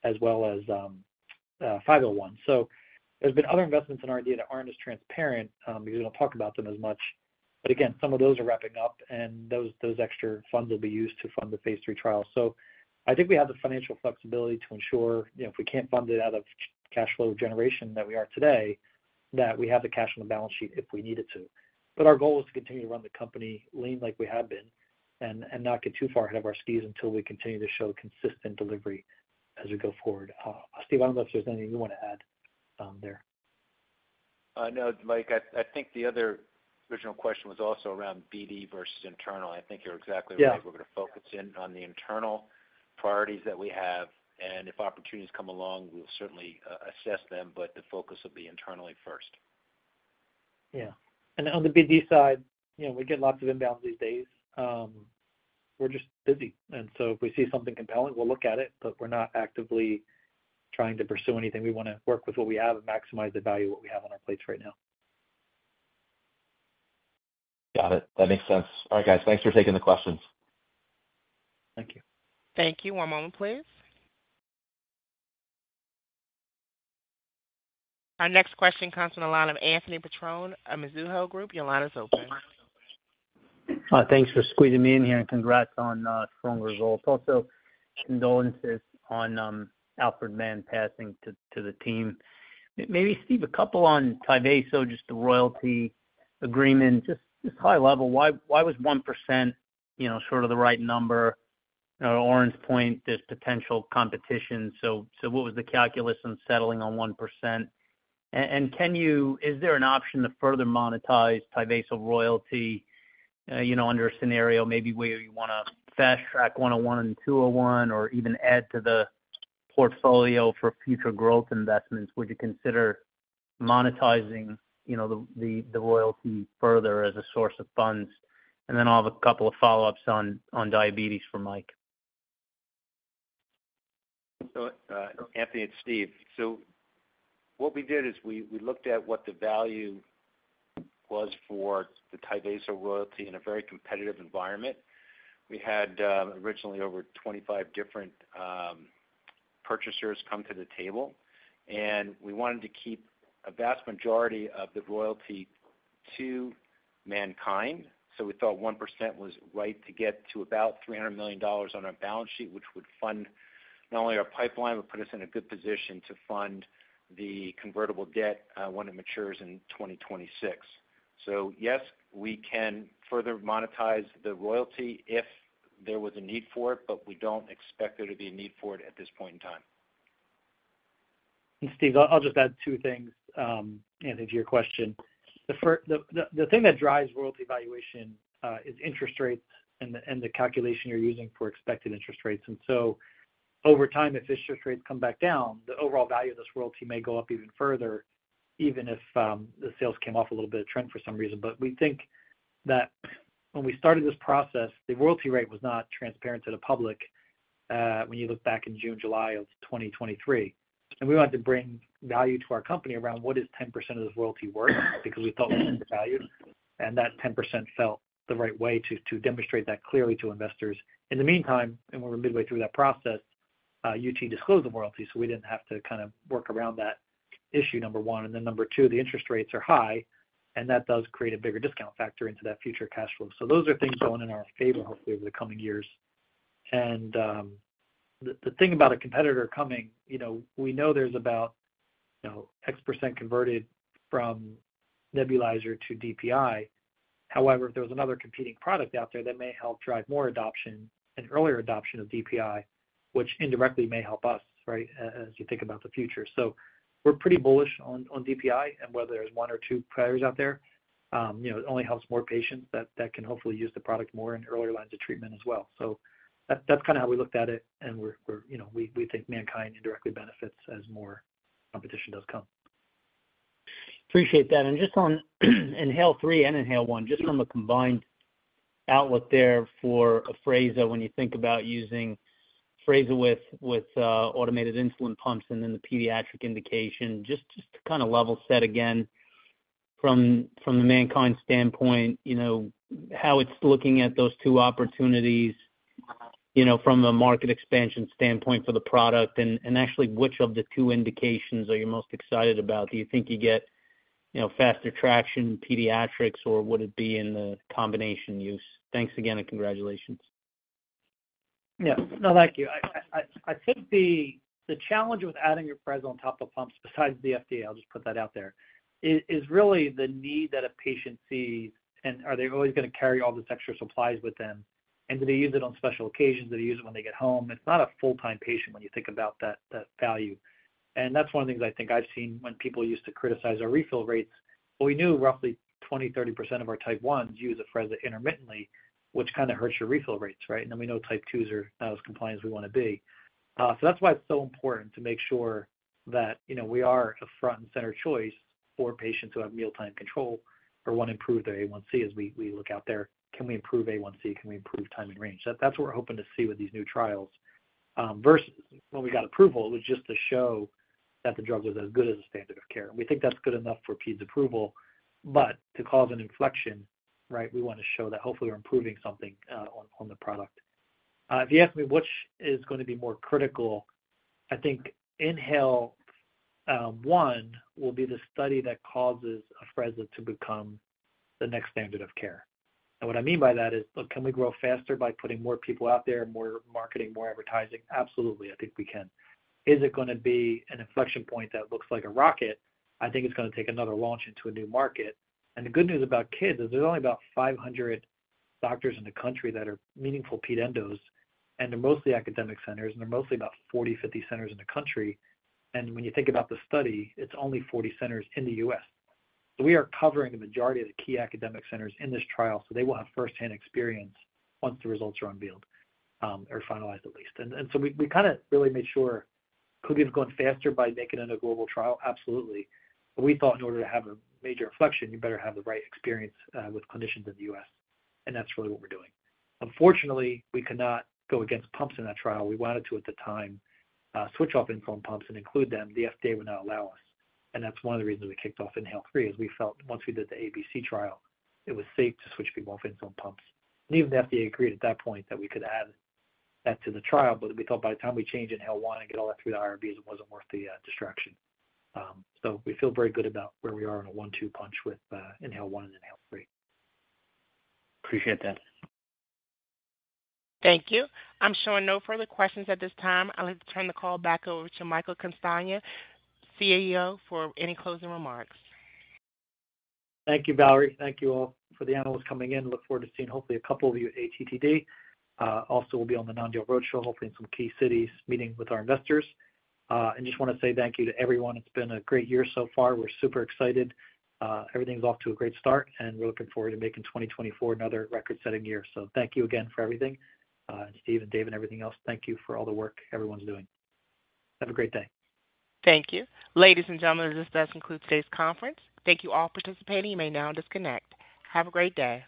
[SPEAKER 2] as well as 501. There's been other investments in R&D that aren't as transparent because we don't talk about them as much. Again, some of those are wrapping up. Those extra funds will be used to fund the phase 3 trial. I think we have the financial flexibility to ensure if we can't fund it out of cash flow generation that we are today, that we have the cash on the balance sheet if we needed to. Our goal is to continue to run the company lean like we have been and not get too far ahead of our skis until we continue to show consistent delivery as we go forward. Steve, I don't know if there's anything you want to add there.
[SPEAKER 3] No. I think the other original question was also around BD versus internal. I think you're exactly right. We're going to focus in on the internal priorities that we have. And if opportunities come along, we'll certainly assess them. But the focus will be internally first.
[SPEAKER 2] Yeah. And on the BD side, we get lots of inbounds these days. We're just busy. And so if we see something compelling, we'll look at it. But we're not actively trying to pursue anything. We want to work with what we have and maximize the value of what we have on our plates right now.
[SPEAKER 9] Got it. That makes sense. All right, guys. Thanks for taking the questions.
[SPEAKER 2] Thank you.
[SPEAKER 1] Thank you. One moment, please. Our next question comes from the line of Anthony Petrone of Mizuho Group. Your line is open.
[SPEAKER 10] Thanks for squeezing me in here. Congrats on strong results. Also, condolences on Alfred Mann passing to the team. Maybe, Steve, a couple on Tyvaso, just the royalty agreement, just high level. Why was 1% sort of the right number? Oren's point, there's potential competition. So what was the calculus on settling on 1%? And is there an option to further monetize Tyvaso royalty under a scenario maybe where you want to fast-track 101 and 201 or even add to the portfolio for future growth investments? Would you consider monetizing the royalty further as a source of funds? And then I'll have a couple of follow-ups on diabetes for Mike.
[SPEAKER 3] So Tony and Steve, so what we did is we looked at what the value was for the Tyvaso royalty in a very competitive environment. We had originally over 25 different purchasers come to the table. And we wanted to keep a vast majority of the royalty to MannKind. So we thought 1% was right to get to about $300 million on our balance sheet, which would fund not only our pipeline but put us in a good position to fund the convertible debt when it matures in 2026. So yes, we can further monetize the royalty if there was a need for it. But we don't expect there to be a need for it at this point in time.
[SPEAKER 2] And Steve, I'll just add two things, Anthony, to your question. The thing that drives royalty valuation is interest rates and the calculation you're using for expected interest rates. And so over time, if interest rates come back down, the overall value of this royalty may go up even further, even if the sales came off a little bit of trend for some reason. But we think that when we started this process, the royalty rate was not transparent to the public when you look back in June, July of 2023. And we wanted to bring value to our company around what is 10% of this royalty worth because we thought we undervalued. And that 10% felt the right way to demonstrate that clearly to investors. In the meantime, and we were midway through that process, UT disclosed the royalty. So we didn't have to kind of work around that issue, number one. And then number two, the interest rates are high. And that does create a bigger discount factor into that future cash flow. So those are things going in our favor, hopefully, over the coming years. And the thing about a competitor coming, we know there's about X% converted from nebulizer to DPI. However, if there was another competing product out there, that may help drive more adoption and earlier adoption of DPI, which indirectly may help us, right, as you think about the future. So we're pretty bullish on DPI and whether there's one or two players out there. It only helps more patients that can hopefully use the product more in earlier lines of treatment as well. So that's kind of how we looked at it. We think MannKind indirectly benefits as more competition does come.
[SPEAKER 10] Appreciate that. Just on INHALE-3 and INHALE-1, just from a combined outlook there for Afrezza when you think about using Afrezza with automated insulin pumps and then the pediatric indication, just to kind of level set again from the MannKind standpoint, how it's looking at those two opportunities from a market expansion standpoint for the product and actually which of the two indications are you most excited about? Do you think you get faster traction in pediatrics, or would it be in the combination use? Thanks again, and congratulations.
[SPEAKER 2] Yeah. No, thank you. I think the challenge with adding your Afrezza on top of pumps, besides the FDA—I'll just put that out there—is really the need that a patient sees. And are they always going to carry all this extra supplies with them? And do they use it on special occasions? Do they use it when they get home? It's not a full-time patient when you think about that value. And that's one of the things I think I've seen when people used to criticize our refill rates. Well, we knew roughly 20%-30% of our Type 1s use Afrezza intermittently, which kind of hurts your refill rates, right? And then we know Type 2s are not as compliant as we want to be. So that's why it's so important to make sure that we are a front-and-center choice for patients who have mealtime control or want to improve their A1C as we look out there. Can we improve A1C? Can we improve time and range? That's what we're hoping to see with these new trials versus when we got approval, it was just to show that the drug was as good as a standard of care. And we think that's good enough for peds approval. But to cause an inflection, right, we want to show that hopefully, we're improving something on the product. If you ask me which is going to be more critical, I think inhaled one will be the study that causes Afrezza to become the next standard of care. What I mean by that is, look, can we grow faster by putting more people out there, more marketing, more advertising? Absolutely. I think we can. Is it going to be an inflection point that looks like a rocket? I think it's going to take another launch into a new market. And the good news about kids is there's only about 500 doctors in the country that are meaningful pediatric endocrinologists. And they're mostly academic centers. And they're mostly about 40-50 centers in the country. And when you think about the study, it's only 40 centers in the U.S. So we are covering the majority of the key academic centers in this trial. So they will have firsthand experience once the results are unveiled or finalized, at least. And so we kind of really made sure, could we have gone faster by making it a global trial? Absolutely. But we thought in order to have a major inflection, you better have the right experience with clinicians in the U.S. And that's really what we're doing. Unfortunately, we could not go against pumps in that trial. We wanted to, at the time, switch off insulin pumps and include them. The FDA would not allow us. And that's one of the reasons we kicked off INHALE-3 is we felt once we did the ABC trial, it was safe to switch people off insulin pumps. And even the FDA agreed at that point that we could add that to the trial. But we thought by the time we change INHALE-1 and get all that through the IRBs, it wasn't worth the distraction. So we feel very good about where we are on a one-two punch with INHALE-1 and INHALE-3.
[SPEAKER 10] Appreciate that.
[SPEAKER 1] Thank you. I'm showing no further questions at this time. I'll turn the call back over to Michael Castagna, CEO, for any closing remarks.
[SPEAKER 2] Thank you, Valerie. Thank you all for the analysts coming in. Look forward to seeing, hopefully, a couple of you at ATTD. Also, we'll be on the Non-Deal Roadshow, hopefully, in some key cities meeting with our investors. And just want to say thank you to everyone. It's been a great year so far. We're super excited. Everything's off to a great start. And we're looking forward to making 2024 another record-setting year. So thank you again for everything. And Steve, and Dave, and everything else, thank you for all the work everyone's doing. Have a great day.
[SPEAKER 1] Thank you. Ladies and gentlemen, this does conclude today's conference. Thank you all for participating. You may now disconnect. Have a great day.